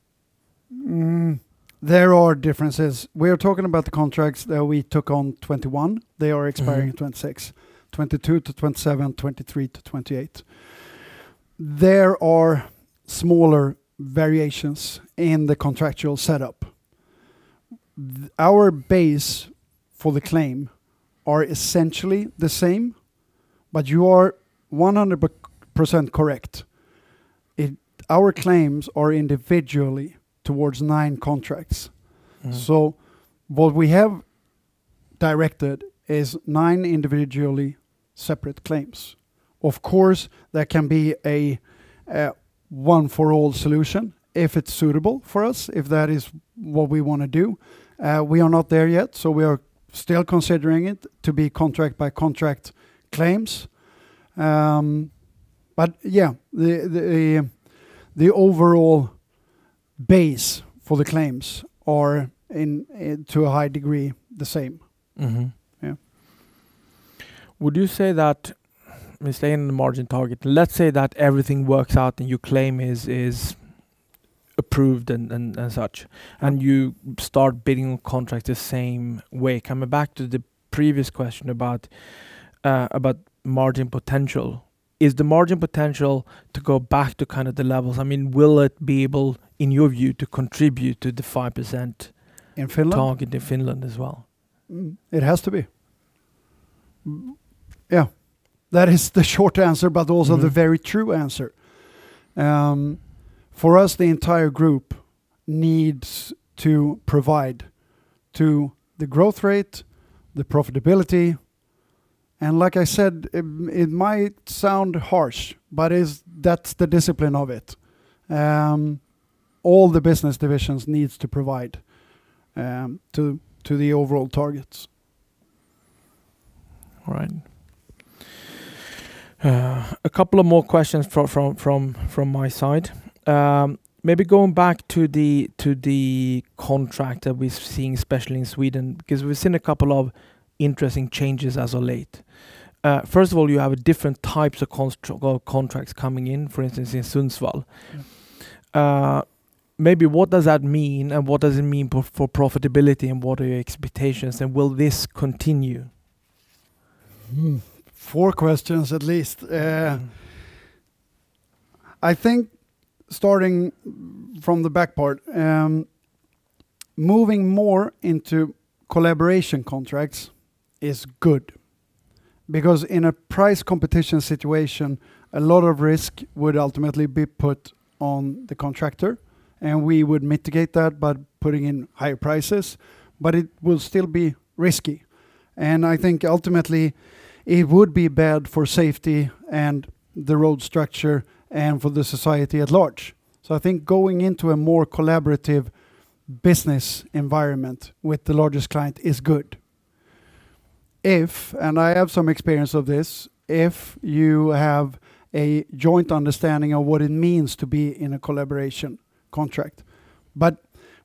B: There are differences. We are talking about the contracts that we took on 2021. They are expiring 2026, 2022 to 2027, 2023 to 2028. There are smaller variations in the contractual setup. Our base for the claim are essentially the same. You are 100% correct. Our claims are individually towards nine contracts. What we have directed is nine individually separate claims. Of course, that can be a one for all solution if it's suitable for us, if that is what we want to do. We are not there yet, so we are still considering it to be contract by contract claims. Yeah, the overall base for the claims are to a high degree the same.
A: Yeah. Would you say that, we're staying in the margin target, let's say that everything works out and your claim is approved and such, and you start bidding on contract the same way. Coming back to the previous question about margin potential. Is the margin potential to go back to the levels? Will it be able, in your view, to contribute to the 5% target
B: In Finland?
A: -in Finland as well?
B: It has to be. Yeah. That is the short answer, but also the very true answer. For us, the entire group needs to provide to the growth rate, the profitability, and like I said, it might sound harsh, but that's the discipline of it. All the business divisions needs to provide to the overall targets.
A: Right. A couple of more questions from my side. Maybe going back to the contract that we've seen, especially in Sweden, because we've seen a couple of interesting changes as of late. First of all, you have different types of contracts coming in, for instance, in Sundsvall. Maybe what does that mean, and what does it mean for profitability, and what are your expectations, and will this continue?
B: Four questions at least. I think starting from the back part, moving more into collaboration contracts is good, because in a price competition situation, a lot of risk would ultimately be put on the contractor, and we would mitigate that by putting in higher prices, but it will still be risky. I think ultimately it would be bad for safety and the road structure and for the society at large. I think going into a more collaborative business environment with the largest client is good. If, and I have some experience of this, if you have a joint understanding of what it means to be in a collaboration contract.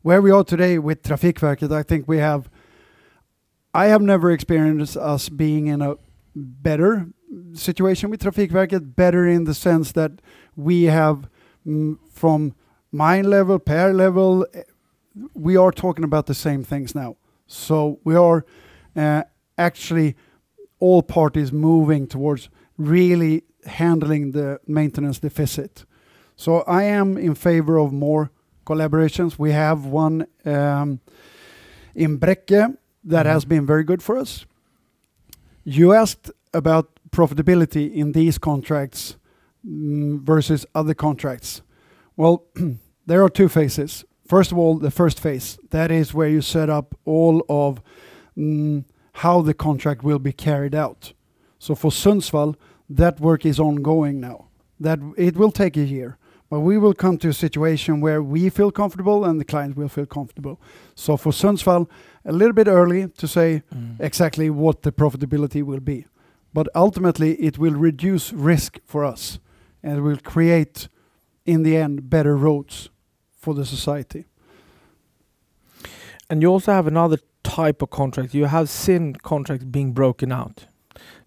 B: Where we are today with Trafikverket, I have never experienced us being in a better situation with Trafikverket, better in the sense that we have, from my level, Per level, we are talking about the same things now. We are actually all parties moving towards really handling the maintenance deficit. I am in favor of more collaborations. We have one in Bräcke that has been very good for us. You asked about profitability in these contracts versus other contracts. There are two phases. First of all, the first phase. That is where you set up all of how the contract will be carried out. For Sundsvall, that work is ongoing now. It will take a year, but we will come to a situation where we feel comfortable and the client will feel comfortable. For Sundsvall, a little bit early to say exactly what the profitability will be. Ultimately it will reduce risk for us and will create, in the end, better roads for the society.
A: You also have another type of contract. You have seen contracts being broken out.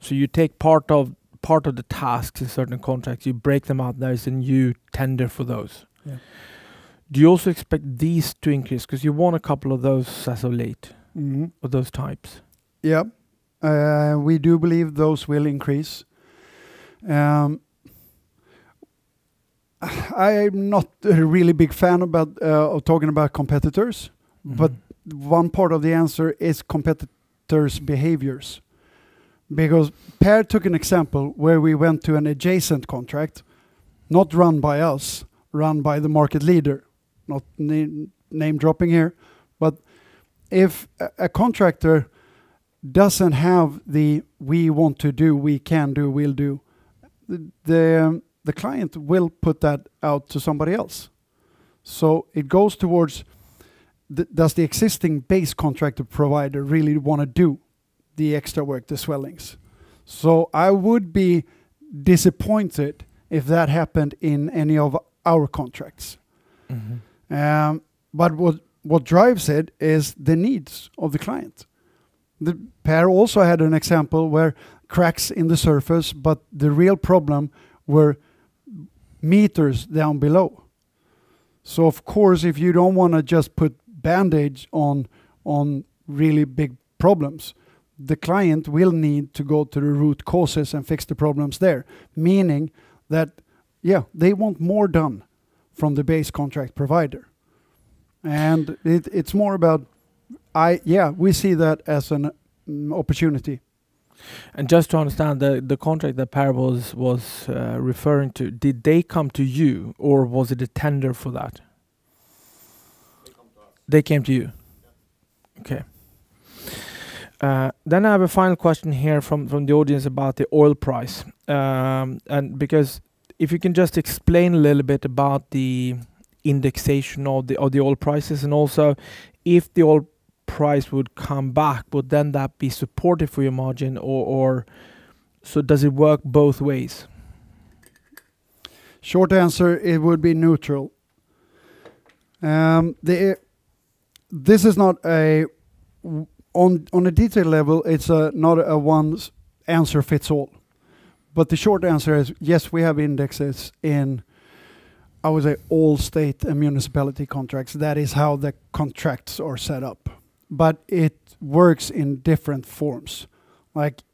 A: You take part of the tasks in certain contracts, you break them out nice, and you tender for those.
B: Yeah.
A: Do you also expect these to increase? You won a couple of those as of late. Of those types.
B: We do believe those will increase. I am not a really big fan of talking about competitors. One part of the answer is competitors' behaviors. Per took an example where we went to an adjacent contract, not run by us, run by the market leader, not name-dropping here. If a contractor doesn't have the, "We want to do, we can do, we'll do," the client will put that out to somebody else. It goes towards, does the existing base contractor provider really want to do the extra work, the swellings? I would be disappointed if that happened in any of our contracts. What drives it is the needs of the client. Per also had an example where cracks in the surface, but the real problem were meters down below. Of course, if you don't want to just put bandage on really big problems, the client will need to go to the root causes and fix the problems there. Meaning that, yeah, they want more done from the base contract provider. It's more about, we see that as an opportunity.
A: Just to understand, the contract that Per was referring to, did they come to you or was it a tender for that?
B: They come to us.
A: They came to you?
B: Yeah.
A: Okay. I have a final question here from the audience about the oil price. Because if you can just explain a little bit about the indexation of the oil prices and also if the oil price would come back, would then that be supportive for your margin or so does it work both ways?
B: Short answer, it would be neutral. On a detail level, it's not a one answer fits all, the short answer is yes, we have indexes in, I would say all state and municipality contracts. That is how the contracts are set up. It works in different forms.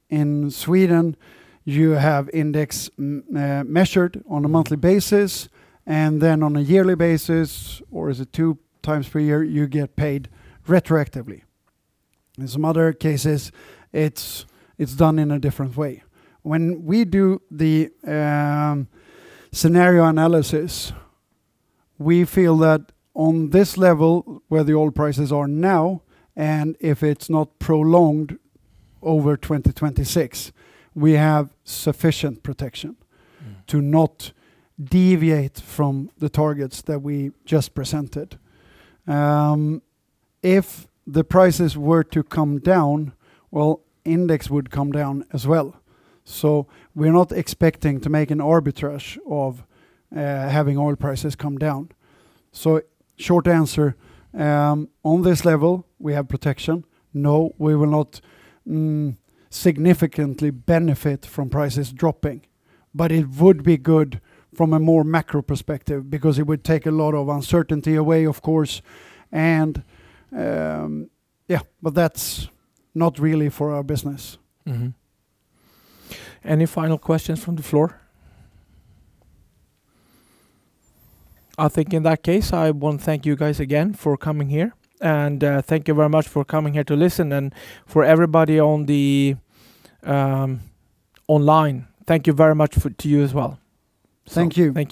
B: In Sweden, you have index measured on a monthly basis, and then on a yearly basis, or is it two times per year, you get paid retroactively. In some other cases, it's done in a different way. When we do the scenario analysis, we feel that on this level where the oil prices are now, if it's not prolonged over 2026, we have sufficient protection to not deviate from the targets that we just presented. If the prices were to come down, index would come down as well. We are not expecting to make an arbitrage of having oil prices come down. Short answer, on this level, we have protection. No, we will not significantly benefit from prices dropping, but it would be good from a more macro perspective because it would take a lot of uncertainty away, of course. That's not really for our business.
A: Any final questions from the floor? I think in that case, I want to thank you guys again for coming here and thank you very much for coming here to listen and for everybody online, thank you very much to you as well.
B: Thank you.